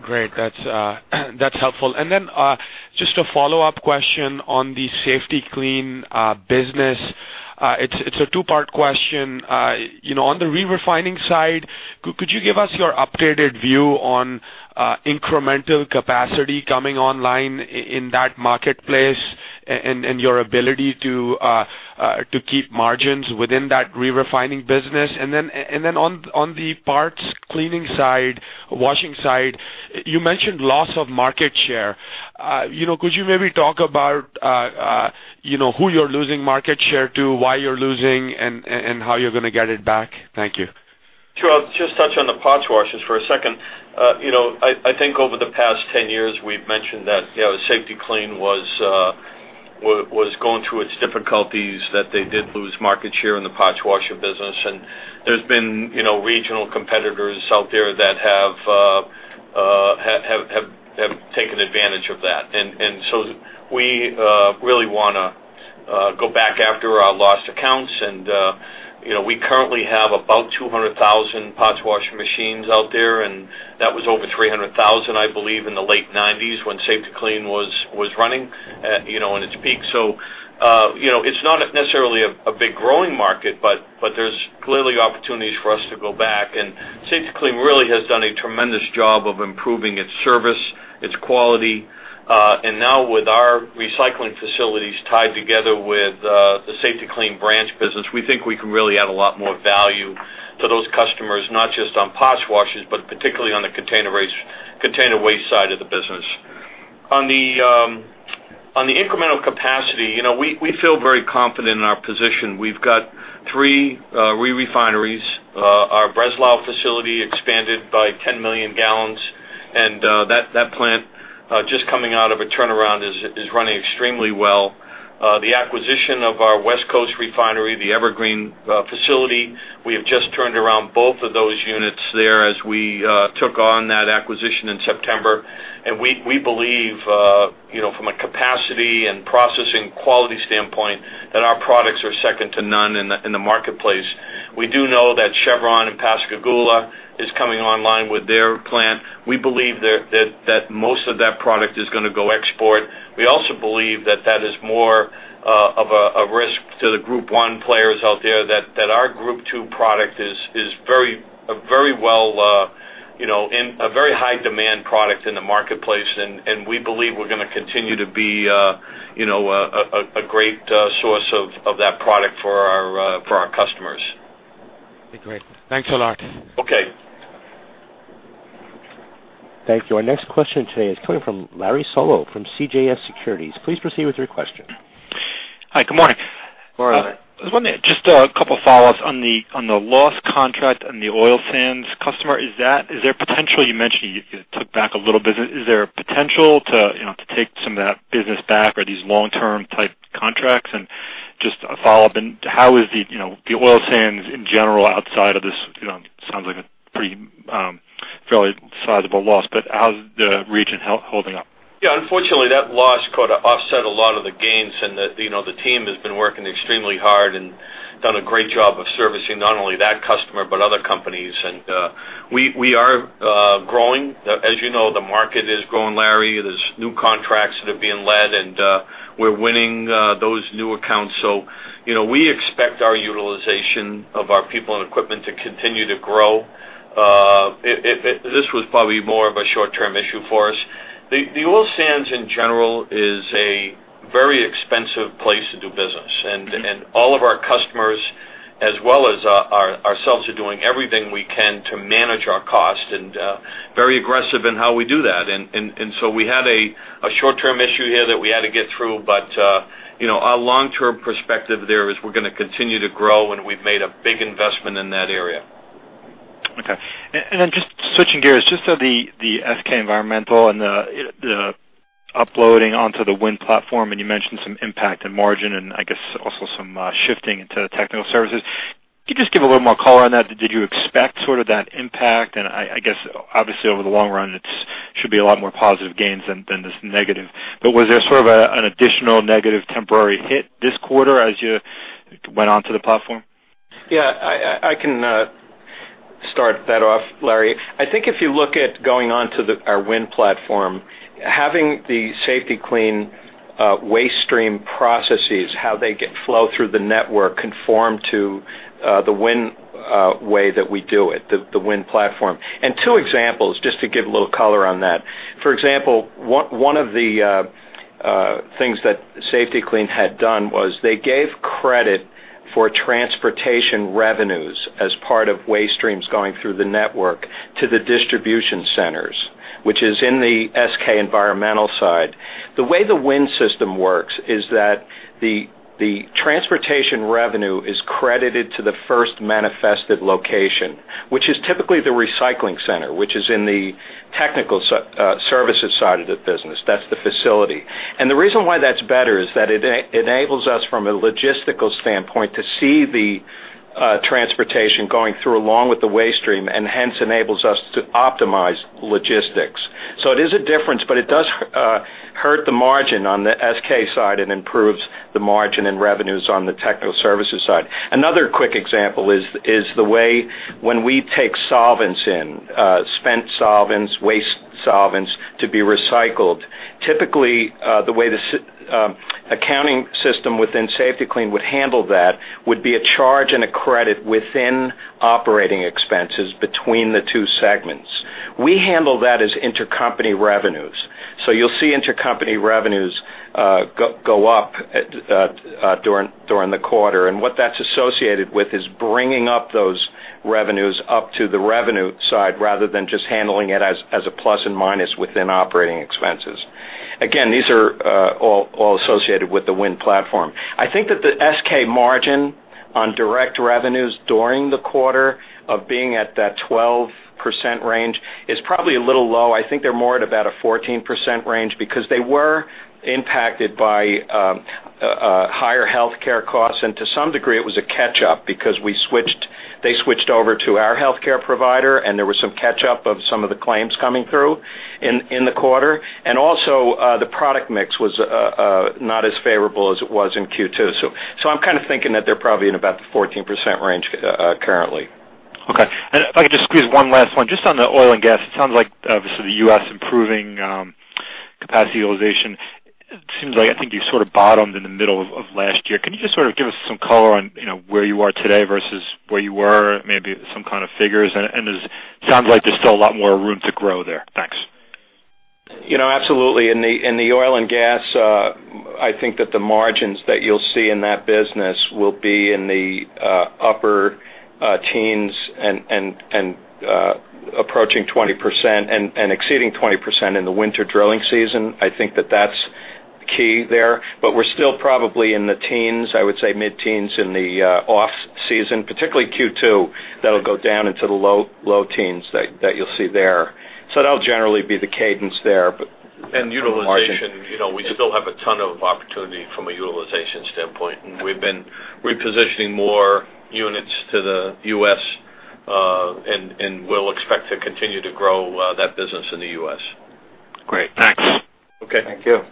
Speaker 6: Great. That's helpful. And then, just a follow-up question on the Safety-Kleen business. It's a two-part question. You know, on the re-refining side, could you give us your updated view on incremental capacity coming online in that marketplace and your ability to keep margins within that re-refining business? And then, on the parts cleaning side, washing side, you mentioned loss of market share. You know, could you maybe talk about who you're losing market share to, why you're losing, and how you're gonna get it back? Thank you.
Speaker 3: Sure. I'll just touch on the parts washers for a second. You know, I think over the past 10 years, we've mentioned that, you know, Safety-Kleen was going through its difficulties, that they did lose market share in the parts washer business. And there's been, you know, regional competitors out there that have taken advantage of that. And so we really wanna go back after our lost accounts. And you know, we currently have about 200,000 parts washing machines out there, and that was over 300,000, I believe, in the late 1990s, when Safety-Kleen was running, you know, in its peak. So you know, it's not necessarily a big growing market, but there's clearly opportunities for us to go back. Safety-Kleen really has done a tremendous job of improving its service, its quality. And now with our recycling facilities tied together with the Safety-Kleen branch business, we think we can really add a lot more value to those customers, not just on parts washers, but particularly on the containerized waste side of the business. On the incremental capacity, you know, we feel very confident in our position. We've got three re-refineries. Our Breslau facility expanded by 10 million gallons, and that plant just coming out of a turnaround is running extremely well. The acquisition of our West Coast refinery, the Evergreen facility, we have just turned around both of those units there as we took on that acquisition in September. And we believe, you know, from a capacity and processing quality standpoint, that our products are second to none in the marketplace. We do know that Chevron and Pascagoula is coming online with their plant. We believe that most of that product is gonna go export. We also believe that that is more of a risk to the Group I players out there, that our Group II product is very well, you know, in a very high demand product in the marketplace. And we believe we're gonna continue to be, you know, a great source of that product for our customers.
Speaker 6: Great. Thanks a lot.
Speaker 3: Okay.
Speaker 1: Thank you. Our next question today is coming from Larry Solow from CJS Securities. Please proceed with your question.
Speaker 7: Hi, good morning.
Speaker 3: Good morning.
Speaker 7: I was wondering, just a couple follow-ups on the lost contract on the oil sands customer. Is there potential. You mentioned you took back a little business. Is there a potential to, you know, to take some of that business back or these long-term type contracts? And just a follow-up, and how is the, you know, the oil sands in general, outside of this, you know, sounds like a pretty fairly sizable loss, but how's the region holding up?
Speaker 3: Yeah, unfortunately, that loss kinda offset a lot of the gains, and the, you know, the team has been working extremely hard and done a great job of servicing not only that customer, but other companies. And, we are growing. As you know, the market is growing, Larry. There's new contracts that are being led, and, we're winning those new accounts. So you know, we expect our utilization of our people and equipment to continue to grow. This was probably more of a short-term issue for us. The oil sands, in general, is a very expensive place to do business.
Speaker 7: Mm-hmm.
Speaker 3: All of our customers, as well as ourselves, are doing everything we can to manage our cost, and very aggressive in how we do that. So we had a short-term issue here that we had to get through, but you know, our long-term perspective there is we're gonna continue to grow, and we've made a big investment in that area.
Speaker 7: Okay. And then just switching gears, just on the SK Environmental and the uploading onto the WIN platform, and you mentioned some impact in margin and I guess also some shifting into technical services. Could you just give a little more color on that? Did you expect sort of that impact? And I guess, obviously, over the long run, it's should be a lot more positive gains than this negative. But was there sort of an additional negative temporary hit this quarter as you went onto the platform?
Speaker 3: Yeah, I can start that off, Larry. I think if you look at going on to our WIN platform, having the Safety-Kleen waste stream processes, how they get flow through the network, conform to the WIN way that we do it, the WIN platform. And two examples, just to give a little color on that. For example, one of the things that Safety-Kleen had done was they gave credit for transportation revenues as part of waste streams going through the network to the distribution centers. Which is in the SK Environmental side. The way the WIN system works is that the transportation revenue is credited to the first manifested location, which is typically the recycling center, which is in the technical services side of the business. That's the facility. And the reason why that's better is that it enables us, from a logistical standpoint, to see the transportation going through, along with the waste stream, and hence enables us to optimize logistics. So it is a difference, but it does hurt the margin on the SK side and improves the margin and revenues on the technical services side. Another quick example is the way when we take solvents in, spent solvents, waste solvents to be recycled. Typically, the way the accounting system within Safety-Kleen would handle that would be a charge and a credit within operating expenses between the two segments. We handle that as intercompany revenues, so you'll see intercompany revenues go up during the quarter, and what that's associated with is bringing up those revenues up to the revenue side rather than just handling it as a plus and minus within operating expenses. Again, these are all associated with the wind platform. I think that the SK margin on direct revenues during the quarter of being at that 12% range is probably a little low. I think they're more at about a 14% range because they were impacted by higher healthcare costs, and to some degree, it was a catch-up because we switched, they switched over to our healthcare provider, and there was some catch-up of some of the claims coming through in the quarter. And also, the product mix was not as favorable as it was in Q2. So, I'm kind of thinking that they're probably in about the 14% range currently.
Speaker 7: Okay. And if I could just squeeze one last one. Just on the oil and gas, it sounds like, obviously, the U.S. improving, capacity utilization. It seems like I think you sort of bottomed in the middle of last year. Can you just sort of give us some color on, you know, where you are today versus where you were, maybe some kind of figures? And it sounds like there's still a lot more room to grow there. Thanks.
Speaker 4: You know, absolutely. In the oil and gas, I think that the margins that you'll see in that business will be in the upper teens and approaching 20% and exceeding 20% in the winter drilling season. I think that that's key there. But we're still probably in the teens, I would say mid-teens in the off-season, particularly Q2. That'll go down into the low teens that you'll see there. So that'll generally be the cadence there, but-
Speaker 3: Utilization, you know, we still have a ton of opportunity from a utilization standpoint, and we've been repositioning more units to the U.S., and we'll expect to continue to grow that business in the U.S.
Speaker 7: Great. Thanks.
Speaker 4: Okay.
Speaker 3: Thank you.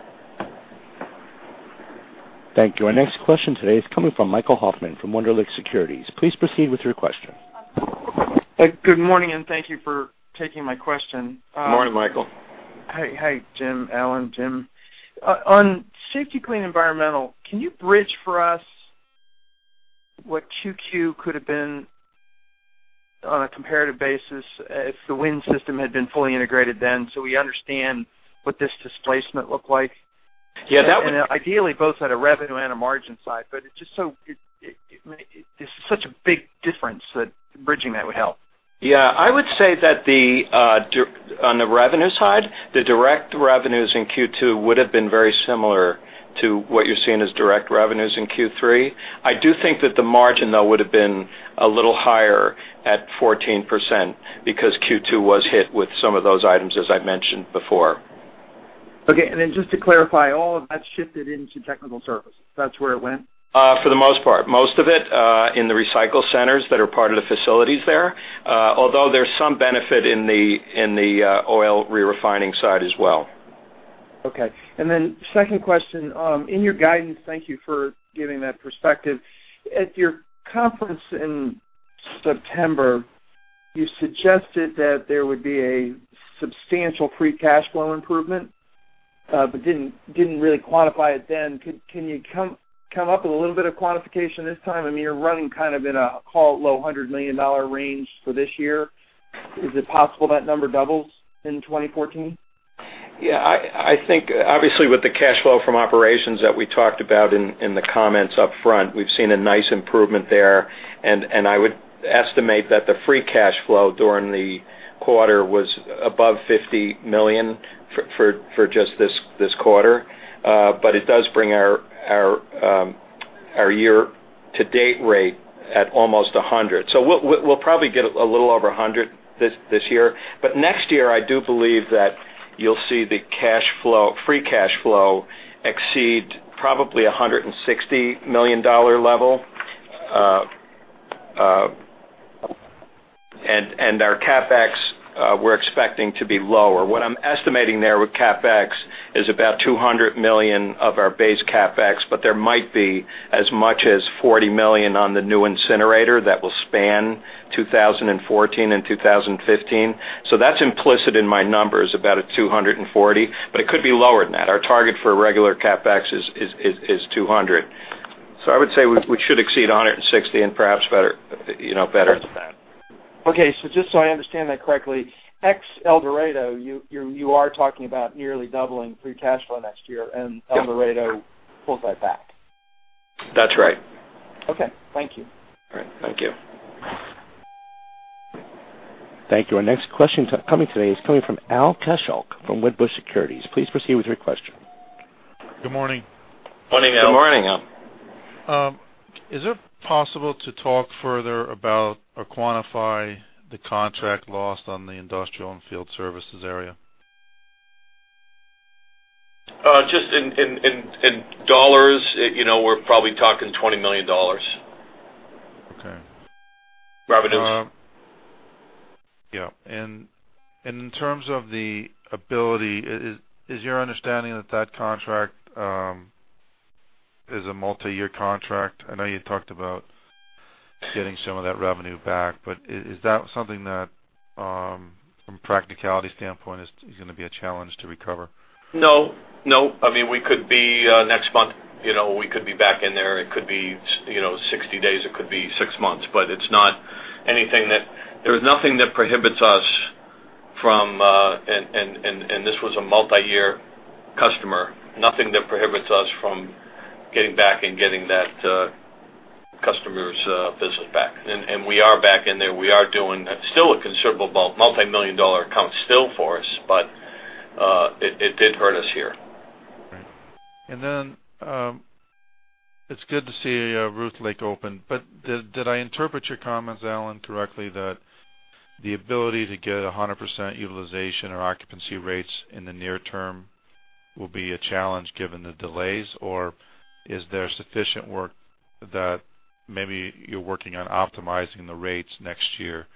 Speaker 1: Thank you. Our next question today is coming from Michael Hoffman from Wunderlich Securities. Please proceed with your question.
Speaker 8: Good morning, and thank you for taking my question.
Speaker 4: Good morning, Michael.
Speaker 8: Hi, hi, Jim, Alan, Jim. On Safety-Kleen Environmental, can you bridge for us what QQ could have been on a comparative basis if the WIN system had been fully integrated then, so we understand what this displacement looked like?
Speaker 4: Yeah, that would-
Speaker 8: Ideally, both at a revenue and a margin side, but it's just such a big difference that bridging that would help.
Speaker 4: Yeah, I would say that the on the revenue side, the direct revenues in Q2 would have been very similar to what you're seeing as direct revenues in Q3. I do think that the margin, though, would have been a little higher at 14% because Q2 was hit with some of those items, as I mentioned before.
Speaker 8: Okay, and then just to clarify, all of that shifted into technical services. That's where it went?
Speaker 4: For the most part, most of it in the recycle centers that are part of the facilities there, although there's some benefit in the oil re-refining side as well.
Speaker 8: Okay. And then second question, in your guidance, thank you for giving that perspective. At your conference in September, you suggested that there would be a substantial free cash flow improvement, but didn't really quantify it then. Can you come up with a little bit of quantification this time? I mean, you're running kind of in a call it low $100 million range for this year. Is it possible that number doubles in 2014?
Speaker 4: Yeah, I think obviously, with the cash flow from operations that we talked about in the comments up front, we've seen a nice improvement there. And I would estimate that the free cash flow during the quarter was above $50 million for just this quarter. And our year to date rate at almost $100. So we'll probably get a little over $100 this year. But next year, I do believe that you'll see the cash flow, free cash flow exceed probably a $160 million level. And our CapEx, we're expecting to be lower. What I'm estimating there with CapEx is about $200 million of our base CapEx, but there might be as much as $40 million on the new incinerator that will span 2014 and 2015. So that's implicit in my numbers, about $240 million, but it could be lower than that. Our target for regular CapEx is $200 million. So I would say we should exceed 160 and perhaps better, you know, better than that.
Speaker 8: Okay, so just so I understand that correctly, ex-El Dorado, you are talking about nearly doubling free cash flow next year, and El Dorado pulls that back?
Speaker 3: That's right.
Speaker 8: Okay, thank you.
Speaker 3: All right, thank you.
Speaker 1: Thank you. Our next question coming today is coming from Al Kaschalk from Wedbush Securities. Please proceed with your question.
Speaker 9: Good morning.
Speaker 3: Morning, Al.
Speaker 8: Good morning, Al.
Speaker 9: Is it possible to talk further about or quantify the contract lost on the industrial and field services area?
Speaker 3: Just in dollars, you know, we're probably talking $20 million.
Speaker 9: Okay.
Speaker 3: Revenues.
Speaker 9: Yeah, and in terms of the ability, is your understanding that that contract is a multiyear contract? I know you talked about getting some of that revenue back, but is that something that, from a practicality standpoint, is gonna be a challenge to recover?
Speaker 3: No, no. I mean, we could be next month, you know, we could be back in there. It could be, you know, 60 days, it could be 6 months. But it's not anything that there is nothing that prohibits us from. And this was a multi-year customer, nothing that prohibits us from getting back and getting that customer's business back. And we are back in there. We are doing still a considerable multi-million dollar account still for us, but it did hurt us here.
Speaker 9: Right. And then, it's good to see Ruth Lake open, but did I interpret your comments, Alan, correctly, that the ability to get 100% utilization or occupancy rates in the near term will be a challenge given the delays, or is there sufficient work that maybe you're working on optimizing the rates next year,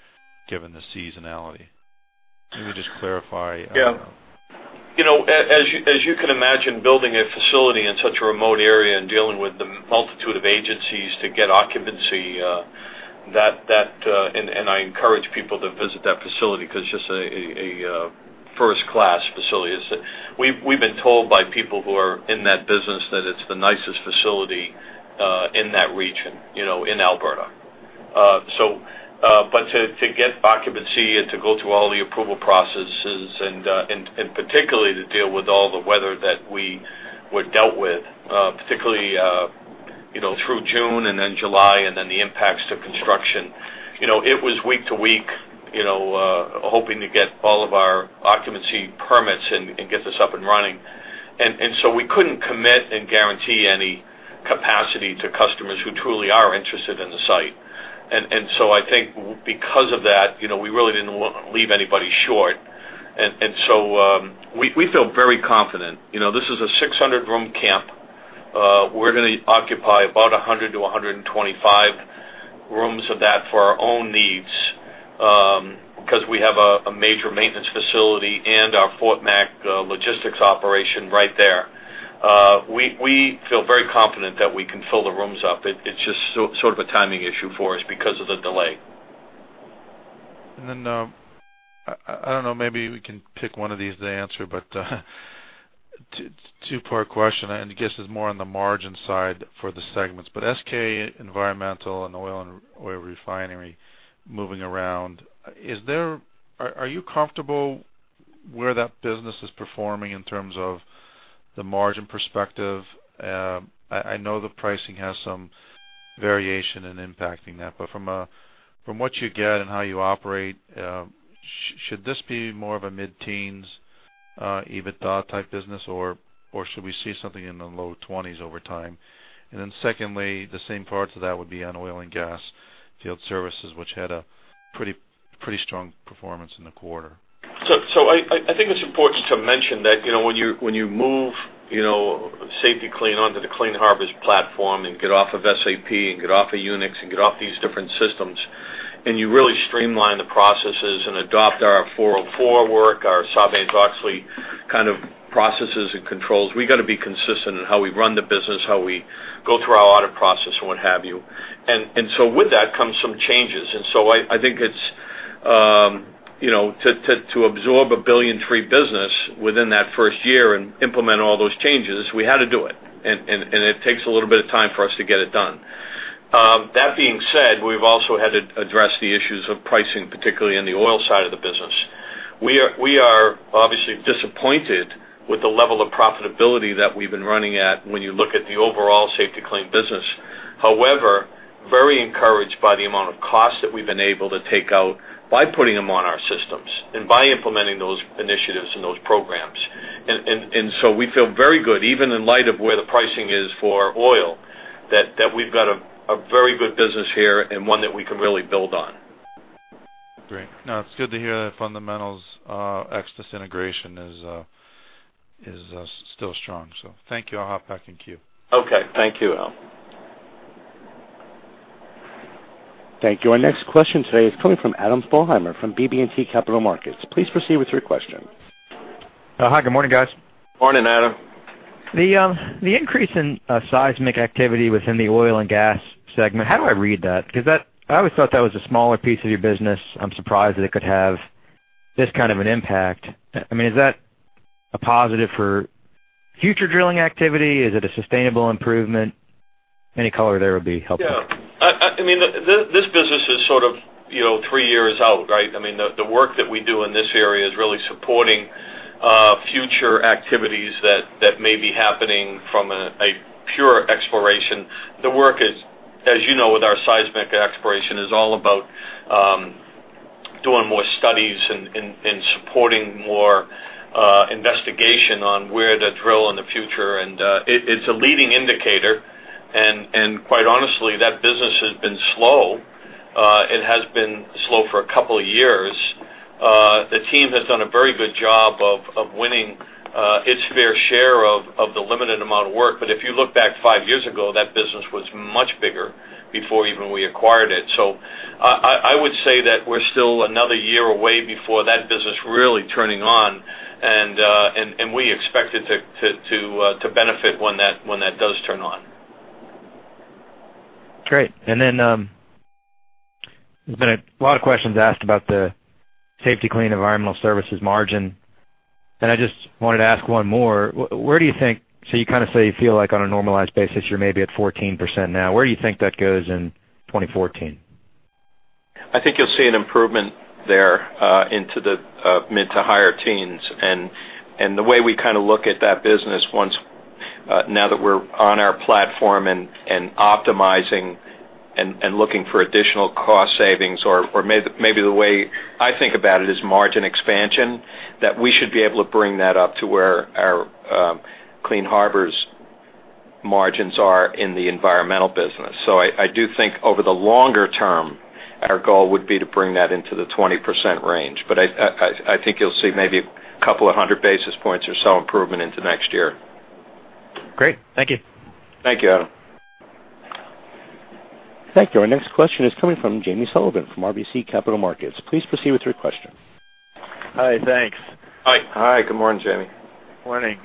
Speaker 9: given the seasonality? Let me just clarify.
Speaker 3: Yeah. You know, as you can imagine, building a facility in such a remote area and dealing with the multitude of agencies to get occupancy, that -- and I encourage people to visit that facility, because it's just a first-class facility. It's -- we've been told by people who are in that business that it's the nicest facility in that region, you know, in Alberta. So, but to get occupancy and to go through all the approval processes and particularly to deal with all the weather that we're dealt with, particularly, you know, through June and then July, and then the impacts to construction. You know, it was week to week, you know, hoping to get all of our occupancy permits and get this up and running. And so we couldn't commit and guarantee any capacity to customers who truly are interested in the site. And so I think because of that, you know, we really didn't leave anybody short. And so we feel very confident. You know, this is a 600-room camp. We're gonna occupy about 100 to 125 rooms of that for our own needs, because we have a major maintenance facility and our Fort Mac logistics operation right there. We feel very confident that we can fill the rooms up. It's just sort of a timing issue for us because of the delay.
Speaker 9: And then, I don't know, maybe we can pick one of these to answer, but two-part question, and I guess it's more on the margin side for the segments. But SK Environmental and the oil re-refinery moving around. Are you comfortable where that business is performing in terms of the margin perspective? I know the pricing has some variation in impacting that, but from what you get and how you operate, should this be more of a mid-teens EBITDA-type business, or should we see something in the low twenties over time? And then secondly, the same parts of that would be on oil and gas field services, which had a pretty strong performance in the quarter.
Speaker 3: So I think it's important to mention that, you know, when you move, you know, Safety-Kleen onto the Clean Harbors platform and get off of SAP and get off of WINX and get off these different systems, and you really streamline the processes and adopt our 404 work, our Sarbanes-Oxley kind of processes and controls, we got to be consistent in how we run the business, how we go through our audit process and what have you. And so with that comes some changes. And so I think it's, you know, to absorb a $1.3 billion business within that first year and implement all those changes, we had to do it, and it takes a little bit of time for us to get it done. That being said, we've also had to address the issues of pricing, particularly in the oil side of the business. We are, we are obviously disappointed with the level of profitability that we've been running at when you look at the overall Safety-Kleen business. However, very encouraged by the amount of cost that we've been able to take out by putting them on our systems and by implementing those initiatives and those programs. And so we feel very good, even in light of where the pricing is for oil, that we've got a very good business here and one that we can really build on.
Speaker 9: Great. No, it's good to hear the fundamentals, SK integration is still strong. So thank you. I'll hop back in queue.
Speaker 3: Okay. Thank you, Al.
Speaker 1: Thank you. Our next question today is coming from Adam Thalhimer from BB&T Capital Markets. Please proceed with your question.
Speaker 10: Hi, good morning, guys.
Speaker 3: Morning, Adam.
Speaker 10: The increase in seismic activity within the oil and gas segment, how do I read that? Because that—I always thought that was a smaller piece of your business. I'm surprised that it could have this kind of an impact. I mean, is that a positive for future drilling activity? Is it a sustainable improvement? Any color there would be helpful.
Speaker 3: Yeah. I mean, this business is sort of, you know, three years out, right? I mean, the work that we do in this area is really supporting future activities that may be happening from a pure exploration. The work is, as you know, with our seismic exploration, is all about doing more studies and supporting more investigation on where to drill in the future. And it, it's a leading indicator, and quite honestly, that business has been slow. It has been slow for a couple of years. The team has done a very good job of winning its fair share of the limited amount of work. But if you look back 5 years ago, that business was much bigger before even we acquired it. So I would say that we're still another year away before that business really turning on, and we expect it to benefit when that does turn on.
Speaker 10: Great. And then, there's been a lot of questions asked about the Safety-Kleen Environmental Services margin, and I just wanted to ask one more. Where do you think—so you kinda say you feel like on a normalized basis, you're maybe at 14% now. Where do you think that goes in 2014?
Speaker 4: I think you'll see an improvement there into the mid to higher teens. And the way we kinda look at that business once now that we're on our platform and optimizing and looking for additional cost savings, or maybe the way I think about it, is margin expansion, that we should be able to bring that up to where our Clean Harbors margins are in the environmental business. So I think you'll see maybe a couple of hundred basis points or so improvement into next year.
Speaker 10: Great. Thank you.
Speaker 4: Thank you, Adam.
Speaker 1: Thank you. Our next question is coming from James Sullivan, from RBC Capital Markets. Please proceed with your question.
Speaker 11: Hi, thanks.
Speaker 4: Hi. Hi, good morning, Jamie.
Speaker 11: Morning.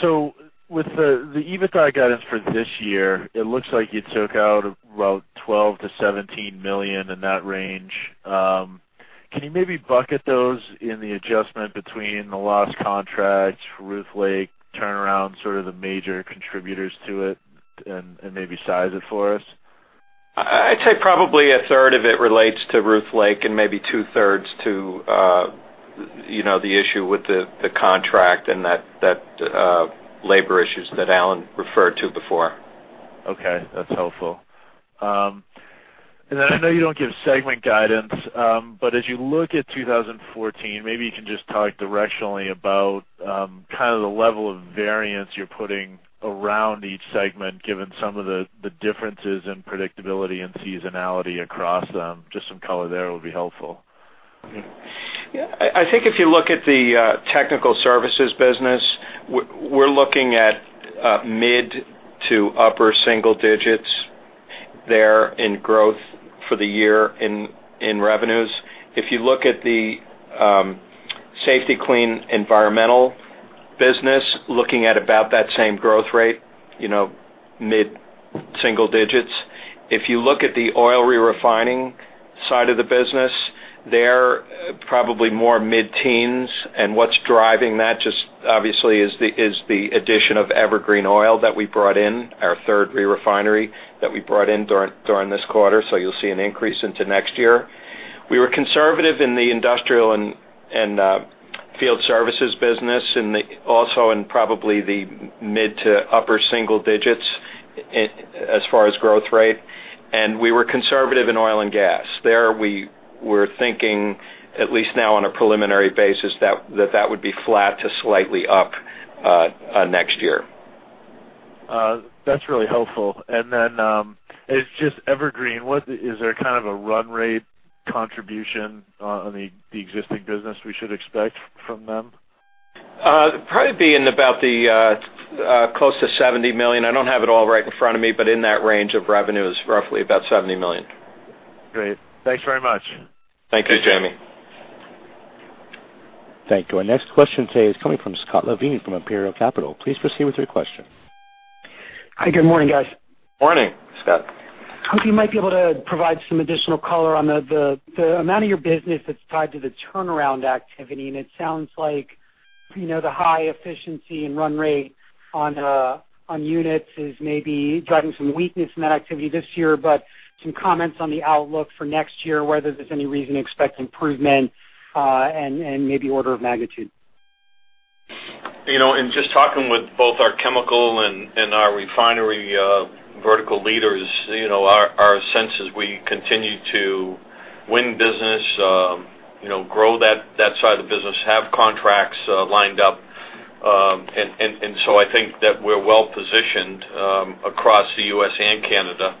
Speaker 11: So with the EBITDA guidance for this year, it looks like you took out about $12 million-$17 million in that range. Can you maybe bucket those in the adjustment between the lost contracts, Ruth Lake turnaround, sort of the major contributors to it, and maybe size it for us?
Speaker 4: I'd say probably a third of it relates to Ruth Lake, and maybe two thirds to, you know, the issue with the contract and that labor issues that Alan referred to before.
Speaker 11: Okay, that's helpful. And then I know you don't give segment guidance, but as you look at 2014, maybe you can just talk directionally about, kind of the level of variance you're putting around each segment, given some of the differences in predictability and seasonality across them. Just some color there will be helpful.
Speaker 4: Yeah, I think if you look at the technical services business, we're looking at mid to upper single digits there in growth for the year in revenues. If you look at the Safety-Kleen Environmental business, looking at about that same growth rate, you know, mid single digits. If you look at the oil re-refining side of the business, probably more mid-teens. And what's driving that just, obviously, is the addition of Evergreen Oil that we brought in, our third re-refinery that we brought in during this quarter, so you'll see an increase into next year. We were conservative in the industrial and field services business, and also in probably the mid to upper single digits as far as growth rate. And we were conservative in oil and gas. There, we were thinking at least now on a preliminary basis, that that would be flat to slightly up next year.
Speaker 11: That's really helpful. And then, it's just Evergreen. What is there kind of a run rate contribution on the existing business we should expect from them?
Speaker 4: Probably be in about the, close to $70 million. I don't have it all right in front of me, but in that range of revenues, roughly about $70 million.
Speaker 11: Great. Thanks very much.
Speaker 4: Thank you, Jamie.
Speaker 1: Thank you. Our next question today is coming from Scott Levine from Imperial Capital. Please proceed with your question.
Speaker 12: Hi, good morning, guys.
Speaker 4: Morning, Scott.
Speaker 12: Hope you might be able to provide some additional color on the amount of your business that's tied to the turnaround activity. And it sounds like, you know, the high efficiency and run rate on units is maybe driving some weakness in that activity this year, but some comments on the outlook for next year, whether there's any reason to expect improvement, and maybe order of magnitude.
Speaker 4: You know, in just talking with both our chemical and our refinery vertical leaders, you know, our sense is we continue to win business, you know, grow that side of the business, have contracts lined up. So I think that we're well positioned across the U.S. and Canada,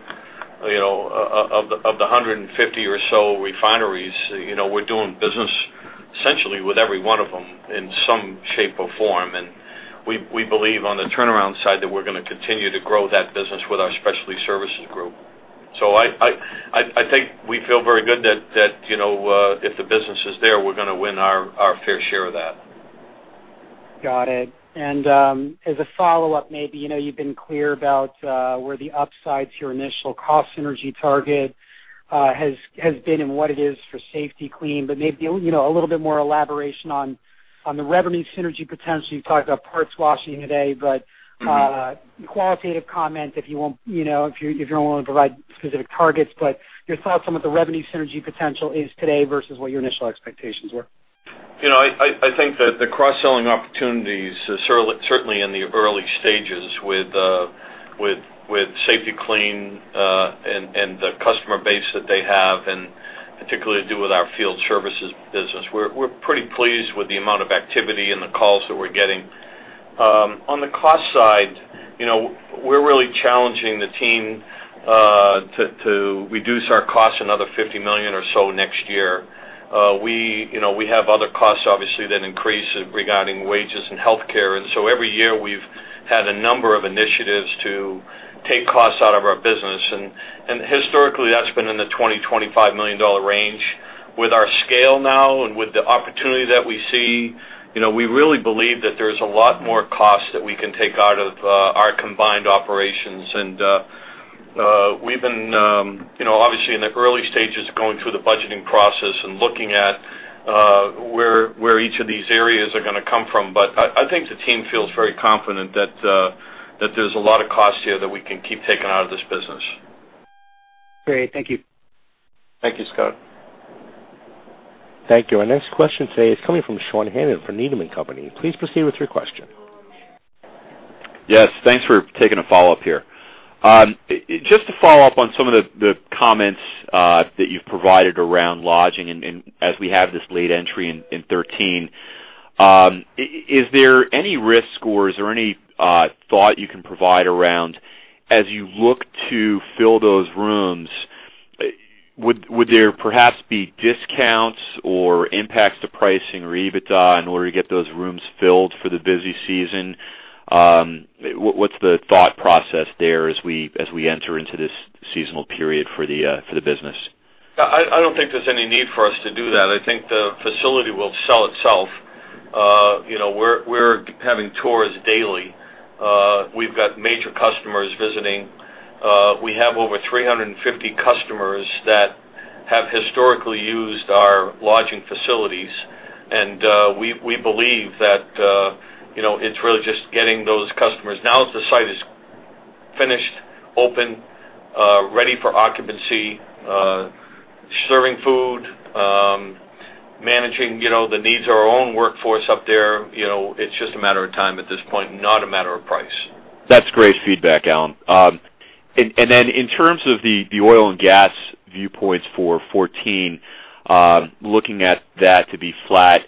Speaker 4: you know, of the 150 or so refineries, you know, we're doing business essentially with every one of them in some shape or form. And we believe on the turnaround side, that we're gonna continue to grow that business with our specialty services group. So I think we feel very good that, you know, if the business is there, we're gonna win our fair share of that.
Speaker 12: Got it. And, as a follow-up, maybe, you know, you've been clear about where the upside to your initial cost synergy target has, has been and what it is for Safety-Kleen, but maybe, you know, a little bit more elaboration on the revenue synergy potential. You talked about parts washing today, but-
Speaker 4: Mm-hmm.
Speaker 12: Qualitative comment, if you will, you know, if you don't want to provide specific targets, but your thoughts on what the revenue synergy potential is today versus what your initial expectations were?
Speaker 3: You know, I think that the cross-selling opportunities is certainly in the early stages with Safety-Kleen, and the customer base that they have, and particularly to do with our field services business. We're pretty pleased with the amount of activity and the calls that we're getting. On the cost side, you know, we're really challenging the team to reduce our costs another $50 million or so next year. You know, we have other costs, obviously, that increase regarding wages and health care. And so every year, we've had a number of initiatives to take costs out of our business, and historically, that's been in the $20 million-$25 million range. With our scale now and with the opportunity that we see, you know, we really believe that there's a lot more costs that we can take out of our combined operations. And we've been, you know, obviously, in the early stages of going through the budgeting process and looking at where each of these areas are gonna come from. But I think the team feels very confident that that there's a lot of cost here that we can keep taking out of this business.
Speaker 13: Great. Thank you.
Speaker 3: Thank you, Scott.
Speaker 1: Thank you. Our next question today is coming from Sean Hannan from Needham & Company. Please proceed with your question.
Speaker 5: Yes, thanks for taking a follow-up here. Just to follow up on some of the comments that you've provided around lodging and as we have this late entry in 2013, is there any risk or is there any thought you can provide around as you look to fill those rooms, would there perhaps be discounts or impacts to pricing or EBITDA in order to get those rooms filled for the busy season? What's the thought process there as we enter into this seasonal period for the business?
Speaker 3: I don't think there's any need for us to do that. I think the facility will sell itself. You know, we're having tours daily. We've got major customers visiting. We have over 350 customers that have historically used our lodging facilities, and we believe that, you know, it's really just getting those customers. Now that the site is finished, open, ready for occupancy, serving food, managing, you know, the needs of our own workforce up there, you know, it's just a matter of time at this point, not a matter of price.
Speaker 5: That's great feedback, Alan. And then in terms of the oil and gas viewpoints for 2014, looking at that to be flat,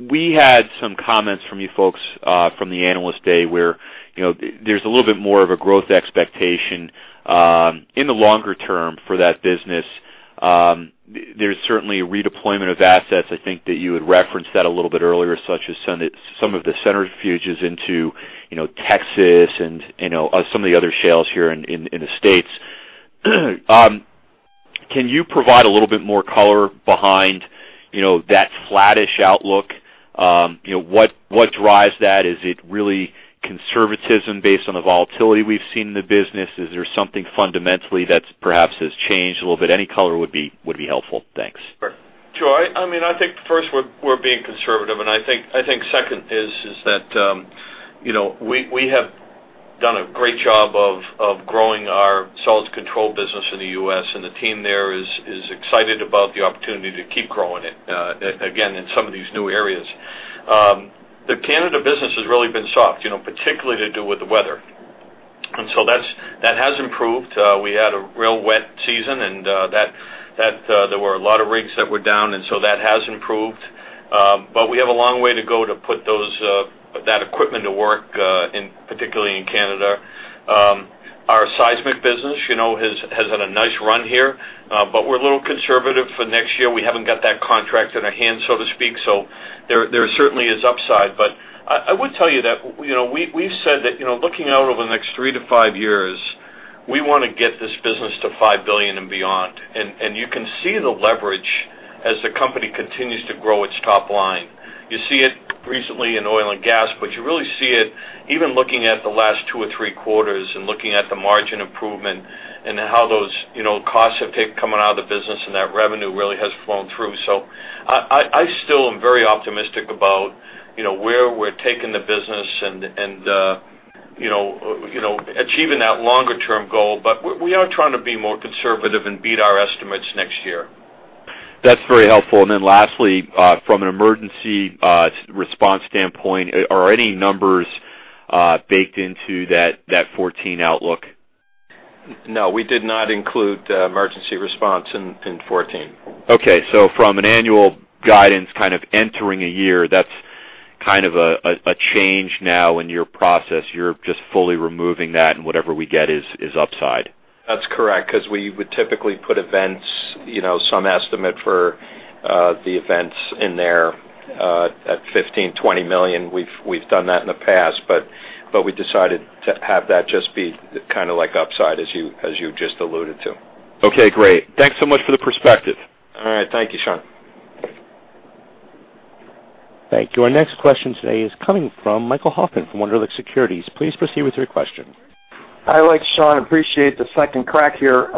Speaker 5: we had some comments from you folks from the Analyst Day, where, you know, there's a little bit more of a growth expectation in the longer term for that business. There's certainly a redeployment of assets. I think that you had referenced that a little bit earlier, such as some of the centrifuges into, you know, Texas and, you know, some of the other shales here in the States. Can you provide a little bit more color behind, you know, that flattish outlook? You know, what drives that? Is it really conservatism based on the volatility we've seen in the business? Is there something fundamentally that perhaps has changed a little bit? Any color would be helpful. Thanks.
Speaker 3: Sure. I mean, I think first, we're being conservative, and I think second is that, you know, we have done a great job of growing our solids control business in the U.S., and the team there is excited about the opportunity to keep growing it, again, in some of these new areas. The Canada business has really been soft, you know, particularly to do with the weather. And so that has improved. We had a real wet season, and that there were a lot of rigs that were down, and so that has improved. But we have a long way to go to put that equipment to work, in, particularly in Canada. Our seismic business, you know, has had a nice run here, but we're a little conservative for next year. We haven't got that contract in our hands, so to speak, so there certainly is upside. But I would tell you that, you know, we, we've said that, you know, looking out over the next three to five years, we wanna get this business to $5 billion and beyond. And you can see the leverage as the company continues to grow its top line. You see it recently in oil and gas, but you really see it even looking at the last two or three quarters and looking at the margin improvement and how those, you know, costs have taken coming out of the business and that revenue really has flown through. So I still am very optimistic about, you know, where we're taking the business and, you know, achieving that longer term goal. But we are trying to be more conservative and beat our estimates next year.
Speaker 5: That's very helpful. Then lastly, from an emergency response standpoint, are any numbers baked into that 2014 outlook?
Speaker 3: No, we did not include emergency response in 2014.
Speaker 5: Okay. From an annual guidance kind of entering a year, that's kind of a change now in your process. You're just fully removing that, and whatever we get is upside.
Speaker 3: That's correct, because we would typically put events, you know, some estimate for the events in there at $15 million-$20 million. We've done that in the past, but we decided to have that just be kind of like upside, as you just alluded to.
Speaker 5: Okay, great. Thanks so much for the perspective.
Speaker 3: All right. Thank you, Sean.
Speaker 1: Thank you. Our next question today is coming from Michael Hoffman from Wunderlich Securities. Please proceed with your question.
Speaker 8: I, like Sean, appreciate the second crack here.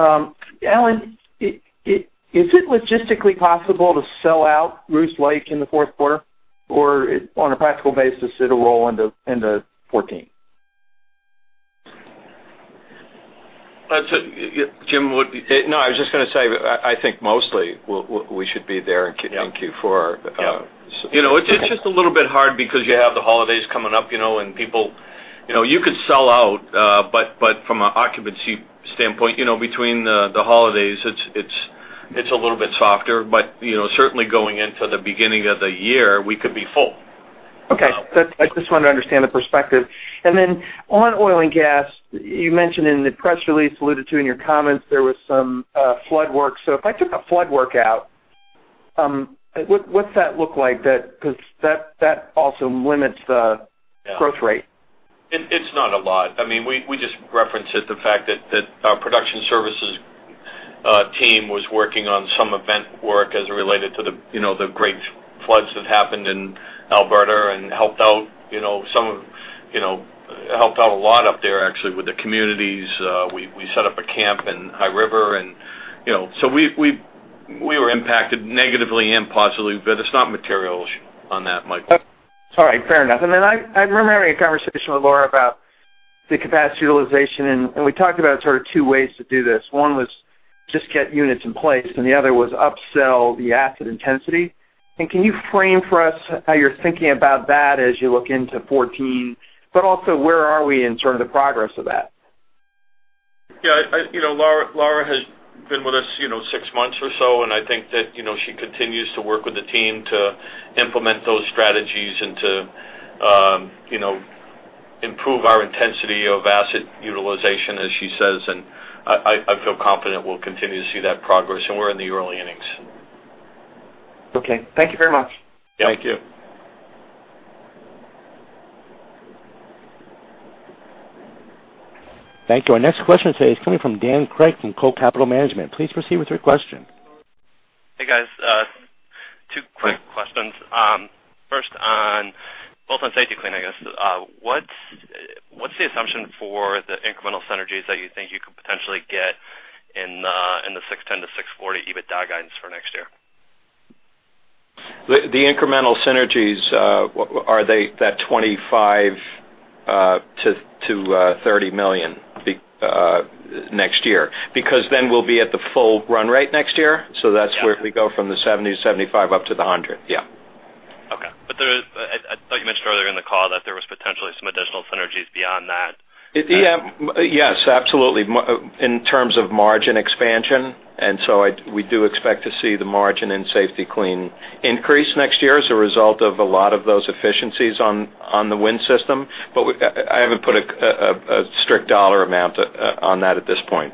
Speaker 8: Alan, is it logistically possible to sell out Ruth Lake in the fourth quarter, or on a practical basis, it'll roll into 2014?
Speaker 4: That's it, Jim, what? No, I was just gonna say, I think mostly we should be there in Q4.
Speaker 3: Yeah. You know, it's just a little bit hard because you have the holidays coming up, you know, and people-- You know, you could sell out, but, but from a occupancy standpoint, you know, between the, the holidays, it's, it's, it's a little bit softer. But, you know, certainly going into the beginning of the year, we could be full.
Speaker 8: Okay. But I just wanted to understand the perspective. And then on oil and gas, you mentioned in the press release, alluded to in your comments, there was some flood work. So if I took a flood work out, what, what's that look like? That, 'cause that also limits the-
Speaker 3: Yeah.
Speaker 8: -growth rate.
Speaker 3: It's not a lot. I mean, we just referenced it, the fact that our production services team was working on some event work as it related to the, you know, the great floods that happened in Alberta and helped out, you know, some of, you know, helped out a lot up there, actually, with the communities. We set up a camp in High River and, you know. So we've -- we were impacted negatively and positively, but it's not material on that, Michael.
Speaker 8: All right. Fair enough. Then I remember having a conversation with Laura about the capacity utilization, and we talked about sort of two ways to do this. One was just get units in place, and the other was upsell the asset intensity. And can you frame for us how you're thinking about that as you look into 2014, but also, where are we in sort of the progress of that?
Speaker 3: Yeah. You know, Laura, Laura has been with us, you know, six months or so, and I think that, you know, she continues to work with the team to implement those strategies and to, you know, improve our intensity of asset utilization, as she says, and I feel confident we'll continue to see that progress, and we're in the early innings.
Speaker 8: Okay. Thank you very much.
Speaker 3: Thank you.
Speaker 1: Thank you. Our next question today is coming from Dan Craig from Coe Capital Management. Please proceed with your question.
Speaker 14: Hey, guys, two quick questions. First, on both on Safety-Kleen, I guess. What's the assumption for the incremental synergies that you think you could potentially get in the $610 million-$640 million EBITDA guidance for next year?
Speaker 4: The incremental synergies, are they that $25 million-$30 million next year? Because then we'll be at the full run rate next year, so that's-
Speaker 14: Yeah.
Speaker 4: -where we go from the 70, 75, up to the 100. Yeah.
Speaker 14: Okay. But there is, I, I thought you mentioned earlier in the call that there was potentially some additional synergies beyond that.
Speaker 4: Yeah. Yes, absolutely. In terms of margin expansion, and so we do expect to see the margin in Safety-Kleen increase next year as a result of a lot of those efficiencies on the WIN system. But I haven't put a strict dollar amount on that at this point.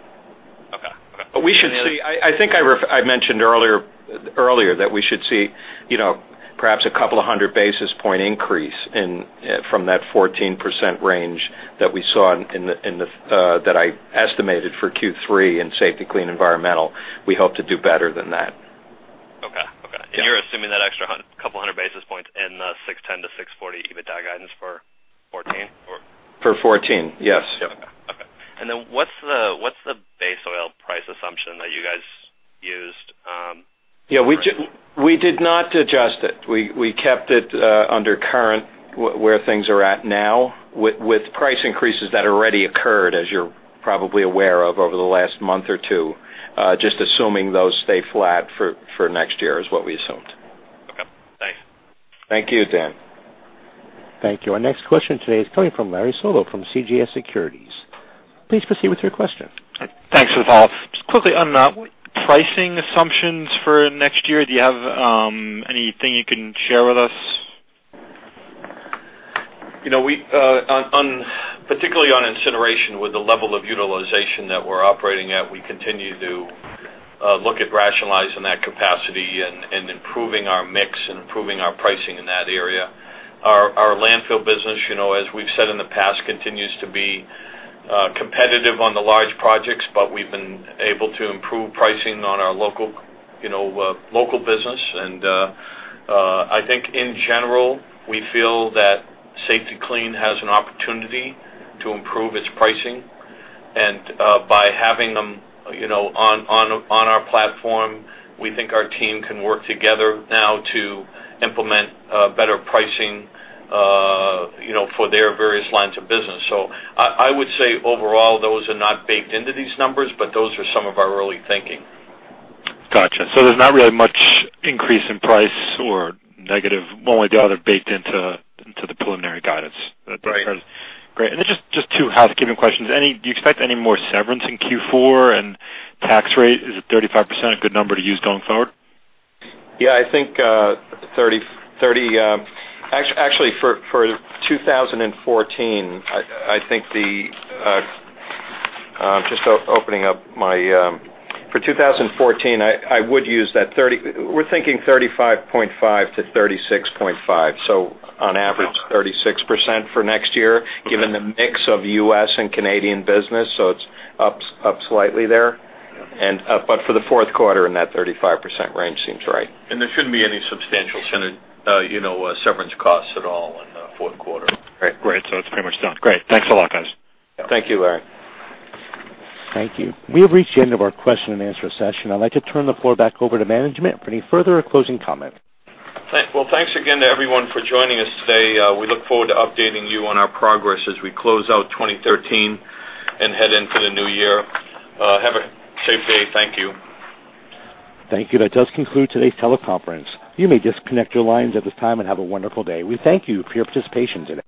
Speaker 14: Okay.
Speaker 4: But we should see... I think I mentioned earlier that we should see, you know, perhaps a couple of hundred basis point increase in from that 14% range that we saw in that I estimated for Q3 in Safety-Kleen Environmental. We hope to do better than that.
Speaker 14: Okay. Okay.
Speaker 4: Yeah.
Speaker 14: And you're assuming that extra couple hundred basis points in the 610-640 EBITDA guidance for 2014, or?
Speaker 4: For 2014, yes.
Speaker 14: Yep. Okay. And then what's the base oil price assumption that you guys used?
Speaker 4: Yeah, we did, we did not adjust it. We, we kept it, under current, where things are at now, with, with price increases that already occurred, as you're probably aware of, over the last month or two. Just assuming those stay flat for, for next year is what we assumed.
Speaker 14: Okay. Thanks.
Speaker 4: Thank you, Dan.
Speaker 1: Thank you. Our next question today is coming from Larry Solow from CJS Securities. Please proceed with your question.
Speaker 7: Thanks for those. Just quickly on pricing assumptions for next year, do you have anything you can share with us?
Speaker 3: You know, we on particularly on incineration, with the level of utilization that we're operating at, we continue to look at rationalizing that capacity and improving our mix and improving our pricing in that area. Our landfill business, you know, as we've said in the past, continues to be competitive on the large projects, but we've been able to improve pricing on our local, you know, local business. I think in general, we feel that Safety-Kleen has an opportunity to improve its pricing. By having them, you know, on our platform, we think our team can work together now to implement better pricing, you know, for their various lines of business. So I would say overall, those are not baked into these numbers, but those are some of our early thinking.
Speaker 7: Gotcha. So there's not really much increase in price or negative, one way or the other, baked into, into the preliminary guidance that-
Speaker 3: Right.
Speaker 7: Great. Then just two housekeeping questions. Do you expect any more severance in Q4? And tax rate, is 35% a good number to use going forward?
Speaker 4: Yeah, I think thirty, thirty. Actually, for 2014, I think the, just opening up my. For 2014, I would use that thirty—we're thinking 35.5%-36.5%. So on average, 36% for next year-
Speaker 7: Okay.
Speaker 4: Given the mix of U.S. and Canadian business, so it's up, up slightly there.
Speaker 7: Yeah.
Speaker 4: But for the fourth quarter in that 35% range seems right.
Speaker 3: There shouldn't be any substantial, you know, severance costs at all in the fourth quarter.
Speaker 7: Great. Great, so it's pretty much done. Great. Thanks a lot, guys.
Speaker 3: Thank you, Larry.
Speaker 1: Thank you. We have reached the end of our question and answer session. I'd like to turn the floor back over to management for any further or closing comment.
Speaker 3: Well, thanks again to everyone for joining us today. We look forward to updating you on our progress as we close out 2013 and head into the new year. Have a safe day. Thank you.
Speaker 1: Thank you. That does conclude today's teleconference. You may disconnect your lines at this time and have a wonderful day. We thank you for your participation today.